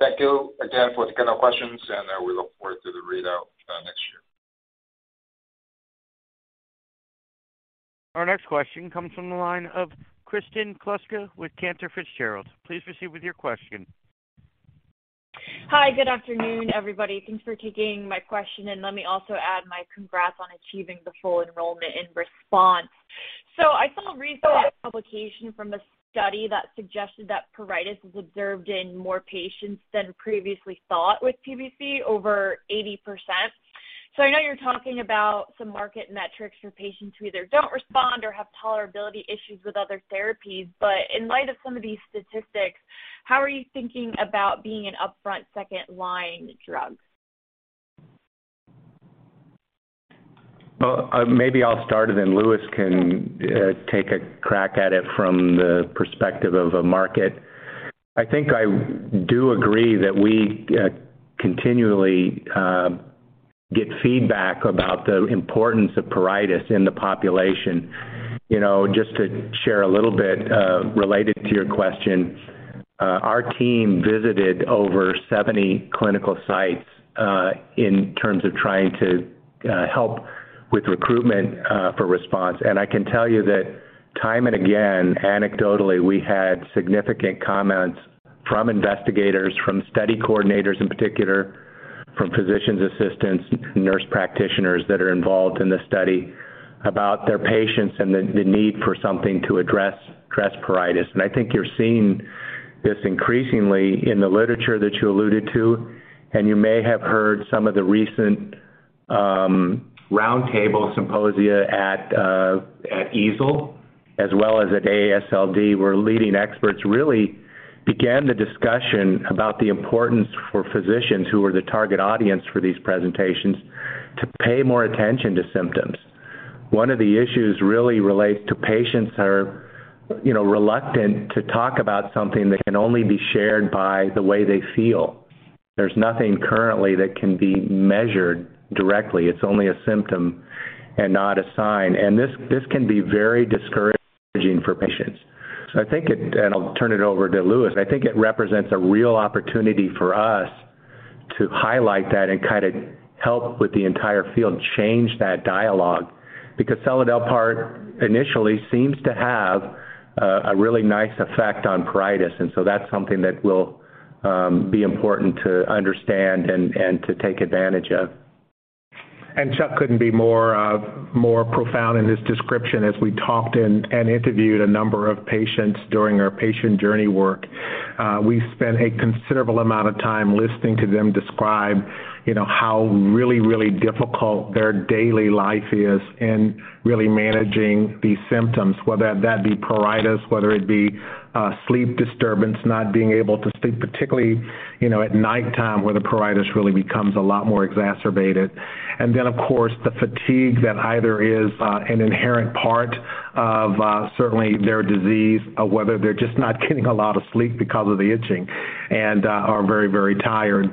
S10: Thank you again for taking our questions, and we look forward to the readout next year.
S1: Our next question comes from the line of Kristen Kluska with Cantor Fitzgerald. Please proceed with your question.
S11: Hi. Good afternoon, everybody. Thanks for taking my question, and let me also add my congrats on achieving the full enrollment in RESPONSE. I saw a recent publication from a study that suggested that pruritus is observed in more patients than previously thought with PBC, over 80%. I know you're talking about some market metrics for patients who either don't respond or have tolerability issues with other therapies. In light of some of these statistics, how are you thinking about being an upfront second-line drug?
S5: Well, maybe I'll start it, then Lewis can take a crack at it from the perspective of a market. I think I do agree that we continually get feedback about the importance of pruritus in the population. You know, just to share a little bit related to your question, our team visited over 70 clinical sites in terms of trying to help with recruitment for RESPONSE. I can tell you that time and again, anecdotally, we had significant comments from investigators, from study coordinators in particular, from physician assistants, nurse practitioners that are involved in this study about their patients and the need for something to address pruritus. I think you're seeing this increasingly in the literature that you alluded to, and you may have heard some of the recent roundtable symposia at at EASL as well as at AASLD, where leading experts really began the discussion about the importance for physicians who are the target audience for these presentations to pay more attention to symptoms. One of the issues really relates to patients that are, you know, reluctant to talk about something that can only be shared by the way they feel. There's nothing currently that can be measured directly. It's only a symptom and not a sign, and this can be very discouraging for patients. I think it, and I'll turn it over to Lewis. I think it represents a real opportunity for us to highlight that and kind of help with the entire field change that dialogue because seladelpar initially seems to have a really nice effect on pruritus, and so that's something that will be important to understand and to take advantage of.
S6: Charles couldn't be more profound in his description as we talked and interviewed a number of patients during our patient journey work. We spent a considerable amount of time listening to them describe, you know, how really difficult their daily life is in really managing these symptoms, whether that be pruritus, whether it be sleep disturbance, not being able to sleep, particularly, you know, at night time, where the pruritus really becomes a lot more exacerbated. Then, of course, the fatigue that either is an inherent part of certainly their disease or whether they're just not getting a lot of sleep because of the itching and are very tired.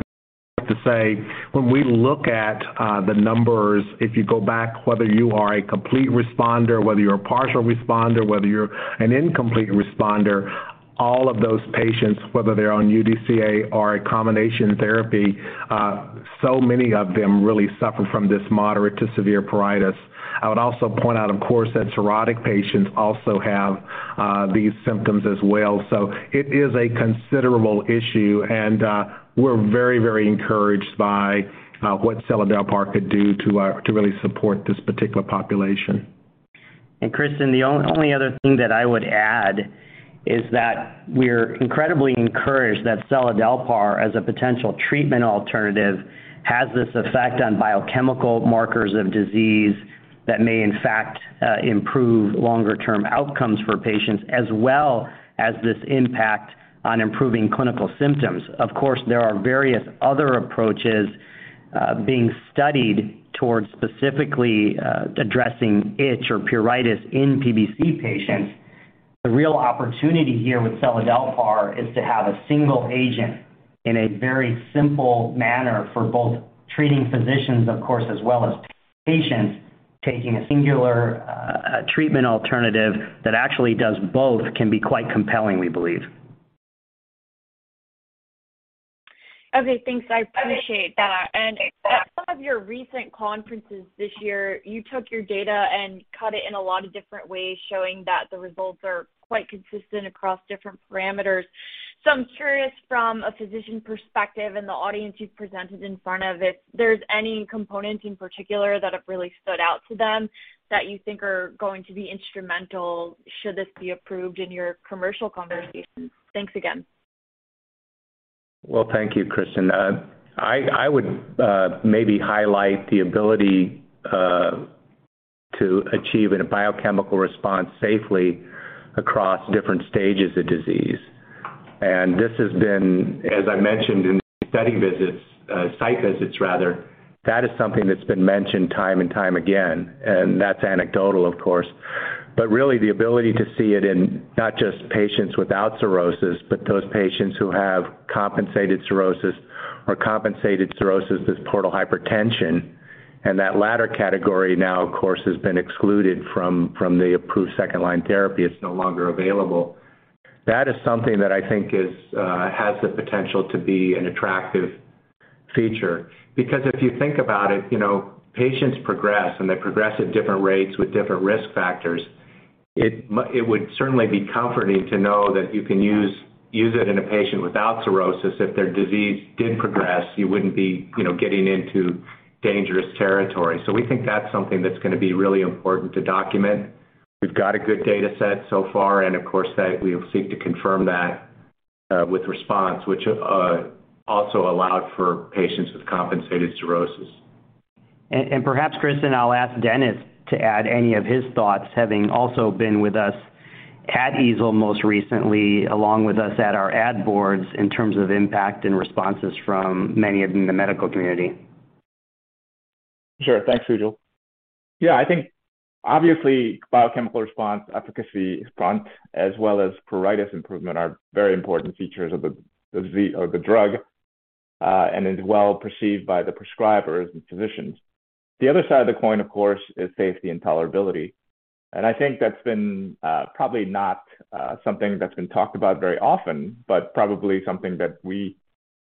S6: I have to say, when we look at the numbers, if you go back whether you are a complete responder, whether you're a partial responder, whether you're an incomplete responder, all of those patients, whether they're on UDCA or a combination therapy, so many of them really suffer from this moderate to severe pruritus. I would also point out, of course, that cirrhotic patients also have these symptoms as well. It is a considerable issue and we're very, very encouraged by what seladelpar could do to really support this particular population.
S5: Kristen, the only other thing that I would add is that we're incredibly encouraged that seladelpar as a potential treatment alternative has this effect on biochemical markers of disease that may in fact improve longer-term outcomes for patients as well as this impact on improving clinical symptoms. Of course, there are various other approaches being studied towards specifically addressing itch or pruritus in PBC patients. The real opportunity here with seladelpar is to have a single agent in a very simple manner for both treating physicians, of course, as well as patients taking a singular treatment alternative that actually does both can be quite compelling, we believe.
S11: Okay, thanks. I appreciate that. At some of your recent conferences this year, you took your data and cut it in a lot of different ways, showing that the results are quite consistent across different parameters. I'm curious from a physician perspective and the audience you've presented in front of if there's any components in particular that have really stood out to them that you think are going to be instrumental should this be approved in your commercial conversations? Thanks again.
S5: Well, thank you, Kristen. I would maybe highlight the ability to achieve a biochemical response safely across different stages of disease. This has been, as I mentioned in site visits rather, something that's been mentioned time and time again, and that's anecdotal, of course. Really the ability to see it in not just patients without cirrhosis, but those patients who have compensated cirrhosis or compensated cirrhosis with portal hypertension. That latter category now, of course, has been excluded from the approved second line therapy. It's no longer available. That is something that I think has the potential to be an attractive feature. Because if you think about it, you know, patients progress at different rates with different risk factors. It would certainly be comforting to know that you can use it in a patient without cirrhosis if their disease did progress, you wouldn't be, you know, getting into dangerous territory. We think that's something that's gonna be really important to document. We've got a good data set so far, and of course we'll seek to confirm that with RESPONSE which also allowed for patients with compensated cirrhosis.
S3: Perhaps Kristin, I'll ask Dennis to add any of his thoughts, having also been with us at EASL most recently, along with us at our advisory boards in terms of impact and responses from many of the medical community.
S4: Sure. Thanks, Sujal. Yeah, I think obviously biochemical response, efficacy response, as well as pruritus improvement are very important features of the drug, and is well-perceived by the prescribers and physicians. The other side of the coin, of course, is safety and tolerability. I think that's been probably not something that's been talked about very often, but probably something that we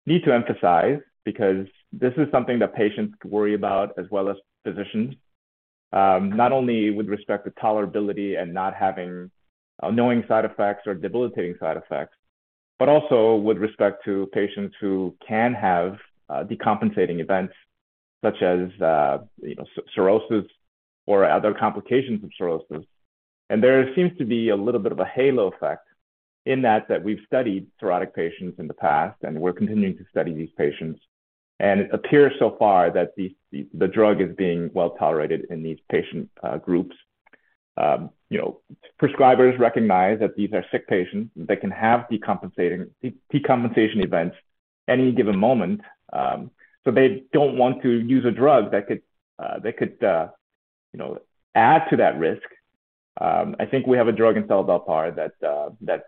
S4: need to emphasize because this is something that patients worry about as well as physicians, not only with respect to tolerability and not having annoying side effects or debilitating side effects, but also with respect to patients who can have decompensating events such as, you know, cirrhosis or other complications of cirrhosis. There seems to be a little bit of a halo effect in that we've studied cirrhotic patients in the past, and we're continuing to study these patients. It appears so far that the drug is being well-tolerated in these patient groups. You know, prescribers recognize that these are sick patients that can have decompensation events any given moment, so they don't want to use a drug that could, you know, add to that risk. I think we have a drug in seladelpar that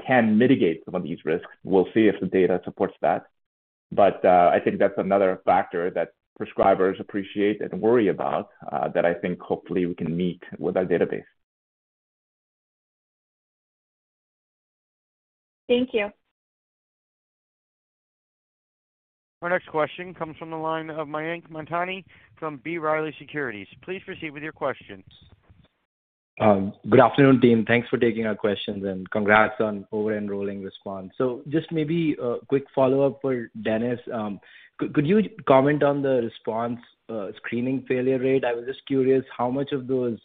S4: can mitigate some of these risks. We'll see if the data supports that. I think that's another factor that prescribers appreciate and worry about, that I think hopefully we can meet with our database.
S11: Thank you.
S1: Our next question comes from the line of Mayank Mamtani from B. Riley Securities. Please proceed with your questions.
S12: Good afternoon, team. Thanks for taking our questions, and congrats on over-enrolling RESPONSE. Just maybe a quick follow-up for Dennis. Could you comment on the RESPONSE screening failure rate? I was just curious how much of those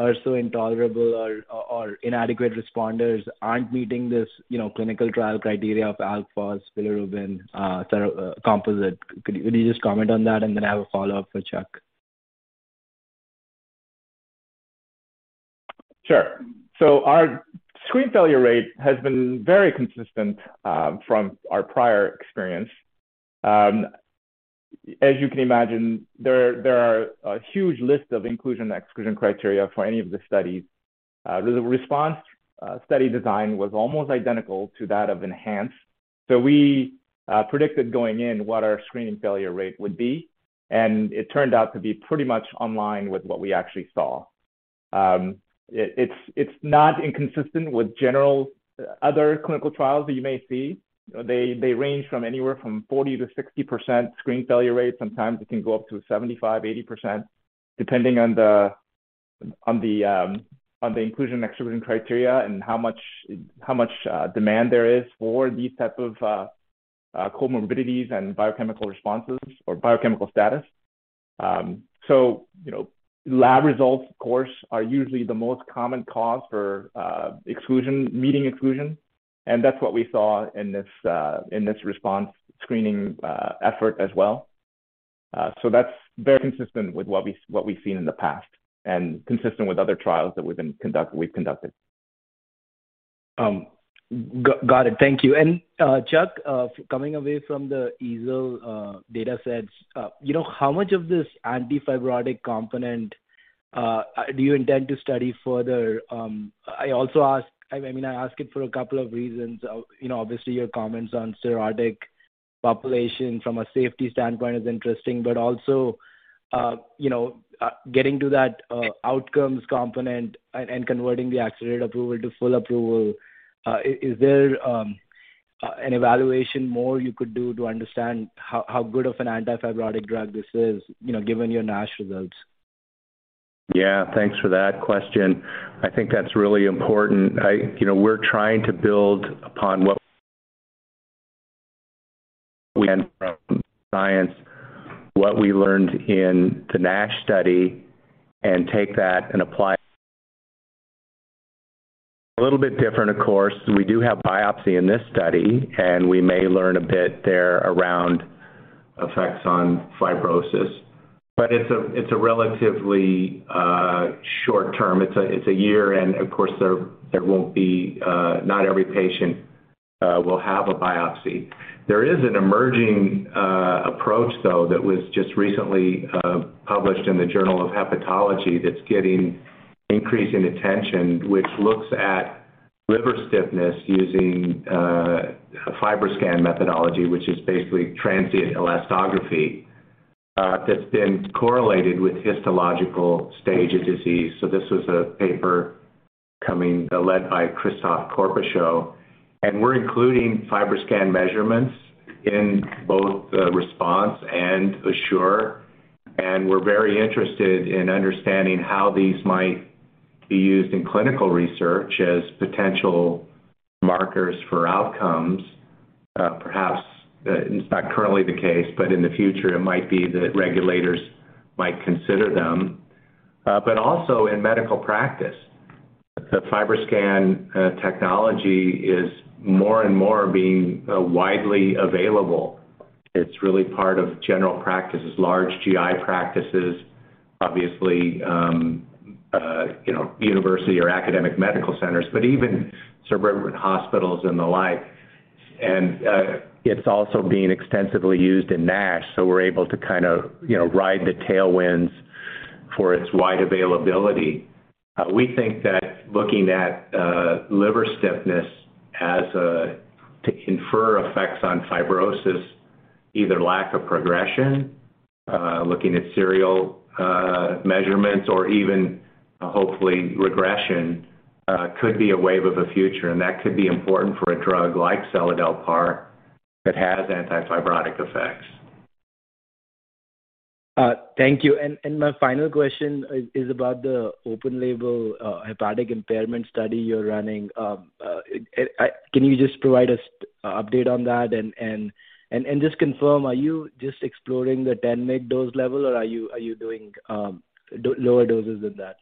S12: are so intolerable or inadequate responders aren't meeting this, you know, clinical trial criteria of ALP, bilirubin, composite. Could you just comment on that? Then I have a follow-up for Charles.
S4: Sure. Our screen failure rate has been very consistent from our prior experience. As you can imagine, there are a huge list of inclusion/exclusion criteria for any of the studies. The RESPONSE study design was almost identical to that of ENHANCE. We predicted going in what our screening failure rate would be, and it turned out to be pretty much in line with what we actually saw. It's not inconsistent with general other clinical trials that you may see. They range from 40%-60% screen failure rates. Sometimes it can go up to 75%-80%, depending on the inclusion/exclusion criteria and how much demand there is for these types of comorbidities and biochemical responses or biochemical status. You know, lab results, of course, are usually the most common cause for exclusion, and that's what we saw in this RESPONSE screening effort as well. That's very consistent with what we've seen in the past and consistent with other trials that we've conducted.
S12: Got it. Thank you. Charles, coming away from the EASL datasets, you know, how much of this antifibrotic component do you intend to study further? I mean, I ask it for a couple of reasons. You know, obviously your comments on cirrhotic population from a safety standpoint is interesting, but also, you know, getting to that outcomes component and converting the accelerated approval to full approval, is there an evaluation more you could do to understand how good of an antifibrotic drug this is, you know, given your NASH results?
S5: Yeah. Thanks for that question. I think that's really important. You know, we're trying to build upon what we learned from science, what we learned in the NASH study, and take that and apply. A little bit different, of course. We do have biopsy in this study, and we may learn a bit there around effects on fibrosis. But it's a relatively short term. It's a year and of course, there won't be not every patient will have a biopsy. There is an emerging approach, though, that was just recently published in the Journal of Hepatology that's getting increasing attention, which looks at liver stiffness using a FibroScan methodology, which is basically transient elastography that's been correlated with histological stage of disease. This was a paper led by Christophe Corpechot. We're including FibroScan measurements in both the RESPONSE and ASSURE. We're very interested in understanding how these might be used in clinical research as potential markers for outcomes. Perhaps it's not currently the case, but in the future it might be that regulators might consider them. Also in medical practice, the FibroScan technology is more and more being widely available. It's really part of general practices, large GI practices, obviously, you know, university or academic medical centers, but even suburban hospitals and the like. It's also being extensively used in NASH, so we're able to kind of, you know, ride the tailwinds for its wide availability. We think that looking at liver stiffness to infer effects on fibrosis, either lack of progression, looking at serial measurements or even hopefully regression, could be a wave of the future, and that could be important for a drug like seladelpar that has antifibrotic effects.
S12: Thank you. My final question is about the open-label hepatic impairment study you're running. Can you just provide us an update on that and just confirm, are you just exploring the 10 mg dose level, or are you doing lower doses than that?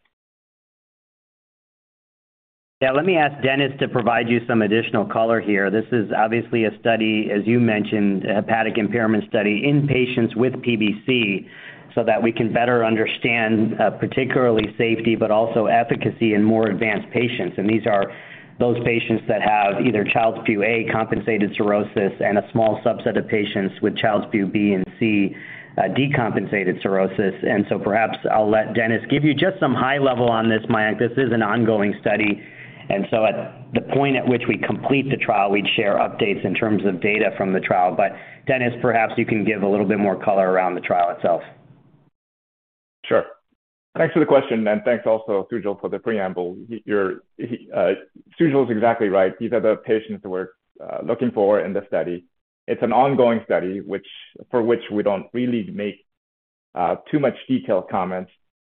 S3: Yeah. Let me ask Dennis to provide you some additional color here. This is obviously a study, as you mentioned, a hepatic impairment study in patients with PBC, so that we can better understand, particularly safety, but also efficacy in more advanced patients. These are those patients that have either Child-Pugh A compensated cirrhosis and a small subset of patients with Child-Pugh B and C, decompensated cirrhosis. Perhaps I'll let Dennis give you just some high level on this, Mayank. This is an ongoing study, and at the point at which we complete the trial, we'd share updates in terms of data from the trial. But Dennis, perhaps you can give a little bit more color around the trial itself.
S4: Sure. Thanks for the question, and thanks also, Sujal, for the preamble. Sujal is exactly right. These are the patients we're looking for in the study. It's an ongoing study, for which we don't really make too much detailed comments.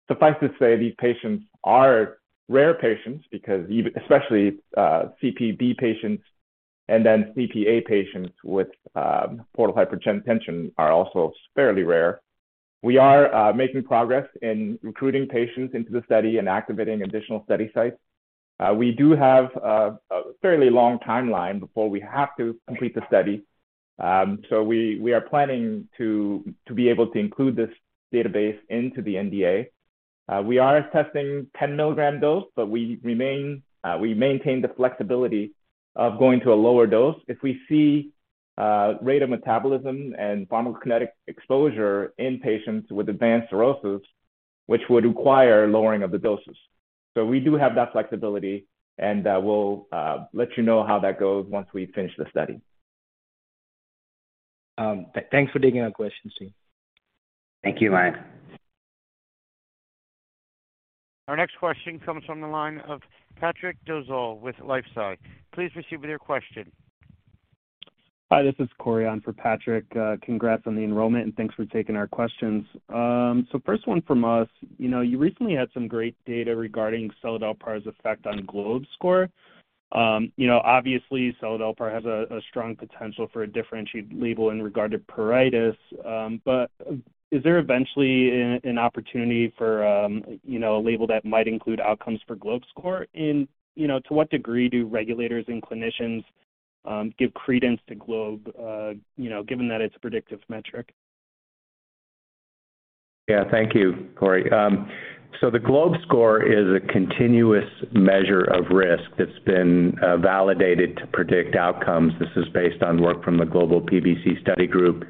S4: Suffice to say these patients are rare patients because even, especially, Child-Pugh B patients and then Child-Pugh A patients with portal hypertension are also fairly rare. We are making progress in recruiting patients into the study and activating additional study sites. We do have a fairly long timeline before we have to complete the study. We are planning to be able to include this database into the NDA. We are testing 10-milligram dose, but we maintain the flexibility of going to a lower dose if we see rate of metabolism and pharmacokinetic exposure in patients with advanced cirrhosis, which would require lowering of the doses. We do have that flexibility, and we'll let you know how that goes once we finish the study.
S12: Thanks for taking our question, Steve.
S3: Thank you, Mayank.
S1: Our next question comes from the line of Patrick Trucchio with LifeSci Capital. Please proceed with your question.
S13: Hi, this is Corey on for Patrick. Congrats on the enrollment, and thanks for taking our questions. So first one from us, you know, you recently had some great data regarding seladelpar's effect on GLOBE score. You know, obviously, seladelpar has a strong potential for a differentiated label in regard to pruritus, but is there eventually an opportunity for, you know, a label that might include outcomes for GLOBE score? And, you know, to what degree do regulators and clinicians give credence to GLOBE, you know, given that it's a predictive metric?
S5: Yeah. Thank you, Corey. The GLOBE score is a continuous measure of risk that's been validated to predict outcomes. This is based on work from the Global PBC Study Group.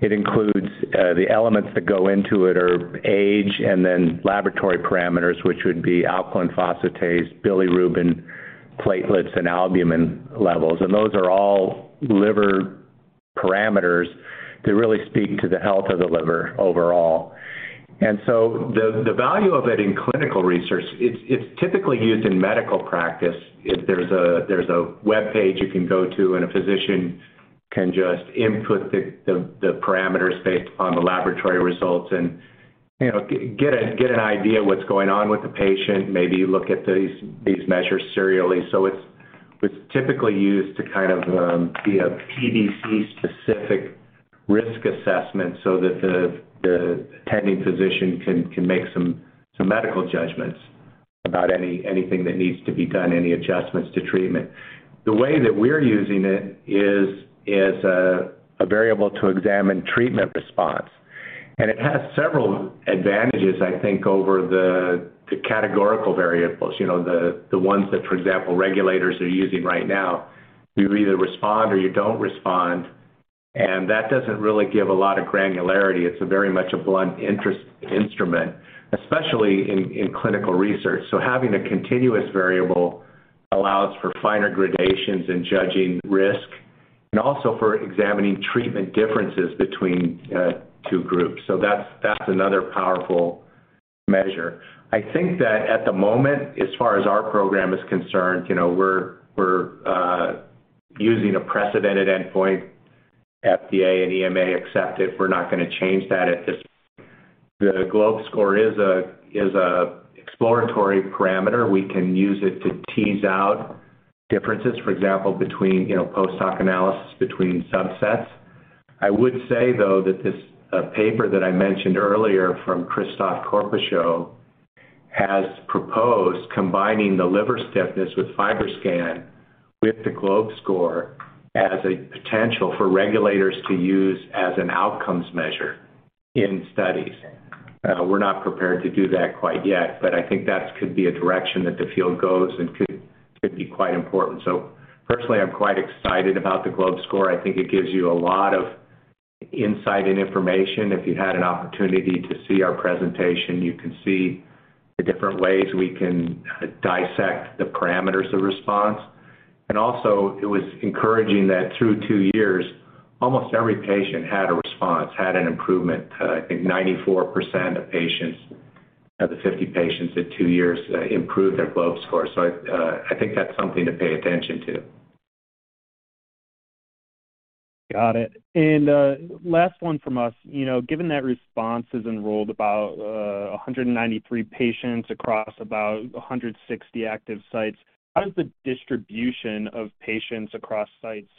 S5: It includes the elements that go into it are age and then laboratory parameters, which would be alkaline phosphatase, bilirubin, platelets, and albumin levels. Those are all liver parameters that really speak to the health of the liver overall. The value of it in clinical research, it's typically used in medical practice. If there's a webpage you can go to, and a physician can just input the parameters based upon the laboratory results and, you know, get an idea of what's going on with the patient, maybe look at these measures serially. It's typically used to kind of be a PBC specific risk assessment so that the attending physician can make some medical judgments about anything that needs to be done, any adjustments to treatment. The way that we're using it is a variable to examine treatment response. It has several advantages, I think, over the categorical variables, you know, the ones that, for example, regulators are using right now. You either respond or you don't respond, and that doesn't really give a lot of granularity. It's a very much a blunt instrument, especially in clinical research. Having a continuous variable allows for finer gradations in judging risk and also for examining treatment differences between two groups. That's another powerful measure. I think that at the moment, as far as our program is concerned, you know, we're using a precedented endpoint. FDA and EMA accept it. We're not gonna change that at this point. The GLOBE score is a exploratory parameter. We can use it to tease out differences, for example, between, you know, post-hoc analysis between subsets. I would say, though, that this paper that I mentioned earlier from Christophe Corpechot has proposed combining the liver stiffness with FibroScan with the GLOBE score as a potential for regulators to use as an outcomes measure in studies. We're not prepared to do that quite yet, but I think that could be a direction that the field goes and could be quite important. Personally, I'm quite excited about the GLOBE score. I think it gives you a lot of insight and information. If you had an opportunity to see our presentation, you can see the different ways we can dissect the parameters of response. It was encouraging that through two years, almost every patient had a response, had an improvement. I think 94% of patients, of the 50 patients at two years, improved their GLOBE score. I think that's something to pay attention to.
S13: Got it. Last one from us. You know, given that RESPONSE has enrolled about 193 patients across about 160 active sites, how does the distribution of patients across sites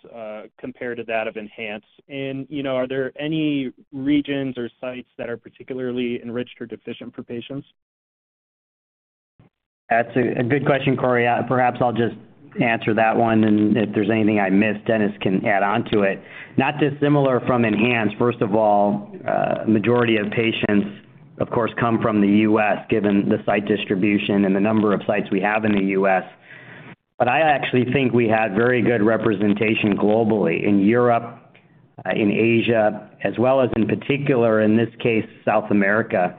S13: compare to that of ENHANCE? You know, are there any regions or sites that are particularly enriched or deficient for patients?
S3: That's a good question, Corey. Perhaps I'll just answer that one, and if there's anything I missed, Dennis can add on to it. Not dissimilar from ENHANCE. First of all, majority of patients, of course, come from the US, given the site distribution and the number of sites we have in the US. I actually think we had very good representation globally in Europe, in Asia, as well as in particular, in this case, South America.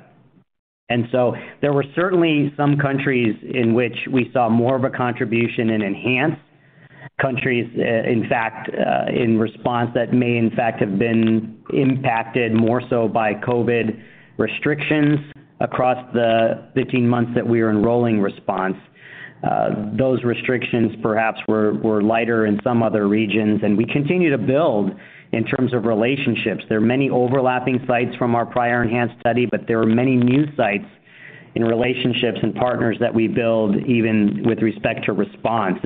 S3: There were certainly some countries in which we saw more of a contribution in ENHANCE countries, in fact, in RESPONSE that may in fact have been impacted more so by COVID restrictions across the 15 months that we are enrolling RESPONSE. Those restrictions perhaps were lighter in some other regions, and we continue to build in terms of relationships. There are many overlapping sites from our prior ENHANCE study, but there are many new sites and relationships and partners that we build even with respect to RESPONSE.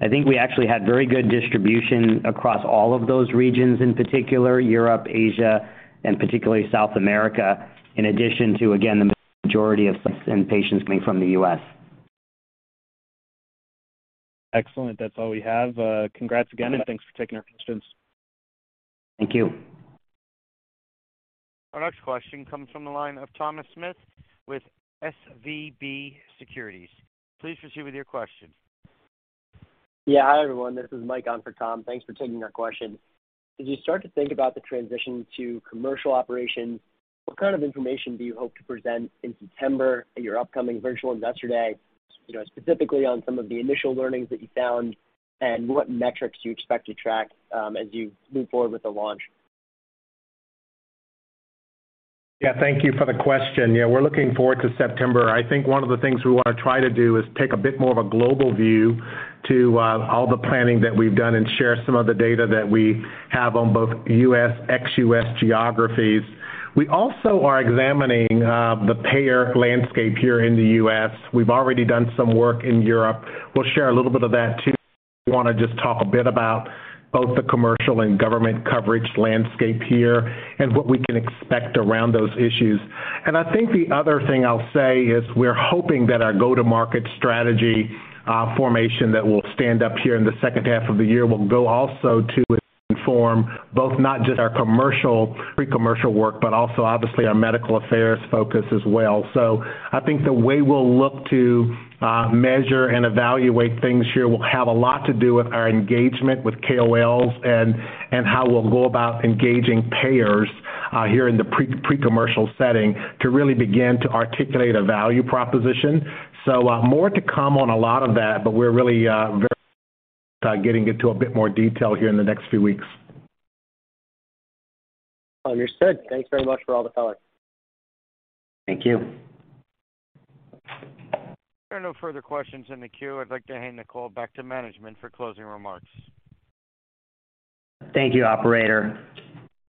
S3: I think we actually had very good distribution across all of those regions, in particular Europe, Asia, and particularly South America, in addition to, again, the majority of sites and patients coming from the U.S.
S13: Excellent. That's all we have. Congrats again, and thanks for taking our questions.
S3: Thank you.
S1: Our next question comes from the line of Thomas Smith with SVB Securities. Please proceed with your question.
S14: Yeah. Hi, everyone. This is Mike on for Tom. Thanks for taking our question. As you start to think about the transition to commercial operations, what kind of information do you hope to present in September at your upcoming virtual investor day, you know, specifically on some of the initial learnings that you found and what metrics do you expect to track, as you move forward with the launch?
S6: Yeah, thank you for the question. Yeah, we're looking forward to September. I think one of the things we wanna try to do is take a bit more of a global view to all the planning that we've done and share some of the data that we have on both U.S., ex-U.S. geographies. We also are examining the payer landscape here in the U.S. We've already done some work in Europe. We'll share a little bit of that too. We wanna just talk a bit about both the commercial and government coverage landscape here and what we can expect around those issues. I think the other thing I'll say is we're hoping that our go-to-market strategy, formation that will stand up here in the second half of the year will go also to inform both not just our commercial, pre-commercial work, but also obviously our medical affairs focus as well. I think the way we'll look to measure and evaluate things here will have a lot to do with our engagement with KOLs and how we'll go about engaging payers, here in the pre-commercial setting to really begin to articulate a value proposition. More to come on a lot of that, but we're really very getting into a bit more detail here in the next few weeks.
S14: Understood. Thanks very much for all the color.
S3: Thank you.
S1: There are no further questions in the queue. I'd like to hand the call back to management for closing remarks.
S3: Thank you, operator.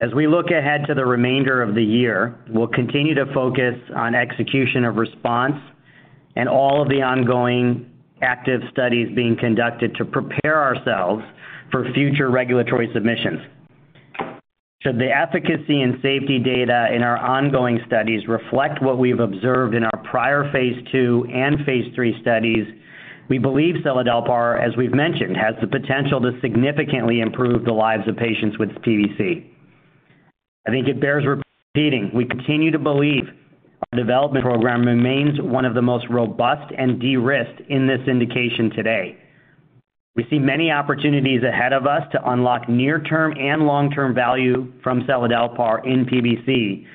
S3: As we look ahead to the remainder of the year, we'll continue to focus on execution of RESPONSE and all of the ongoing active studies being conducted to prepare ourselves for future regulatory submissions. Should the efficacy and safety data in our ongoing studies reflect what we've observed in our prior phase two and phase three studies, we believe seladelpar, as we've mentioned, has the potential to significantly improve the lives of patients with PBC. I think it bears repeating, we continue to believe our development program remains one of the most robust and de-risked in this indication today. We see many opportunities ahead of us to unlock near-term and long-term value from seladelpar in PBC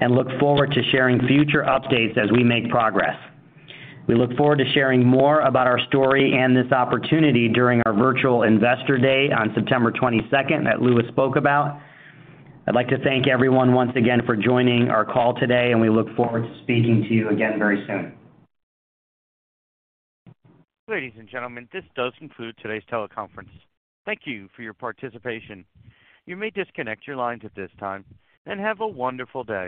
S3: and look forward to sharing future updates as we make progress. We look forward to sharing more about our story and this opportunity during our virtual investor day on September 22nd that Lewis spoke about. I'd like to thank everyone once again for joining our call today, and we look forward to speaking to you again very soon.
S1: Ladies and gentlemen, this does conclude today's teleconference. Thank you for your participation. You may disconnect your lines at this time, and have a wonderful day.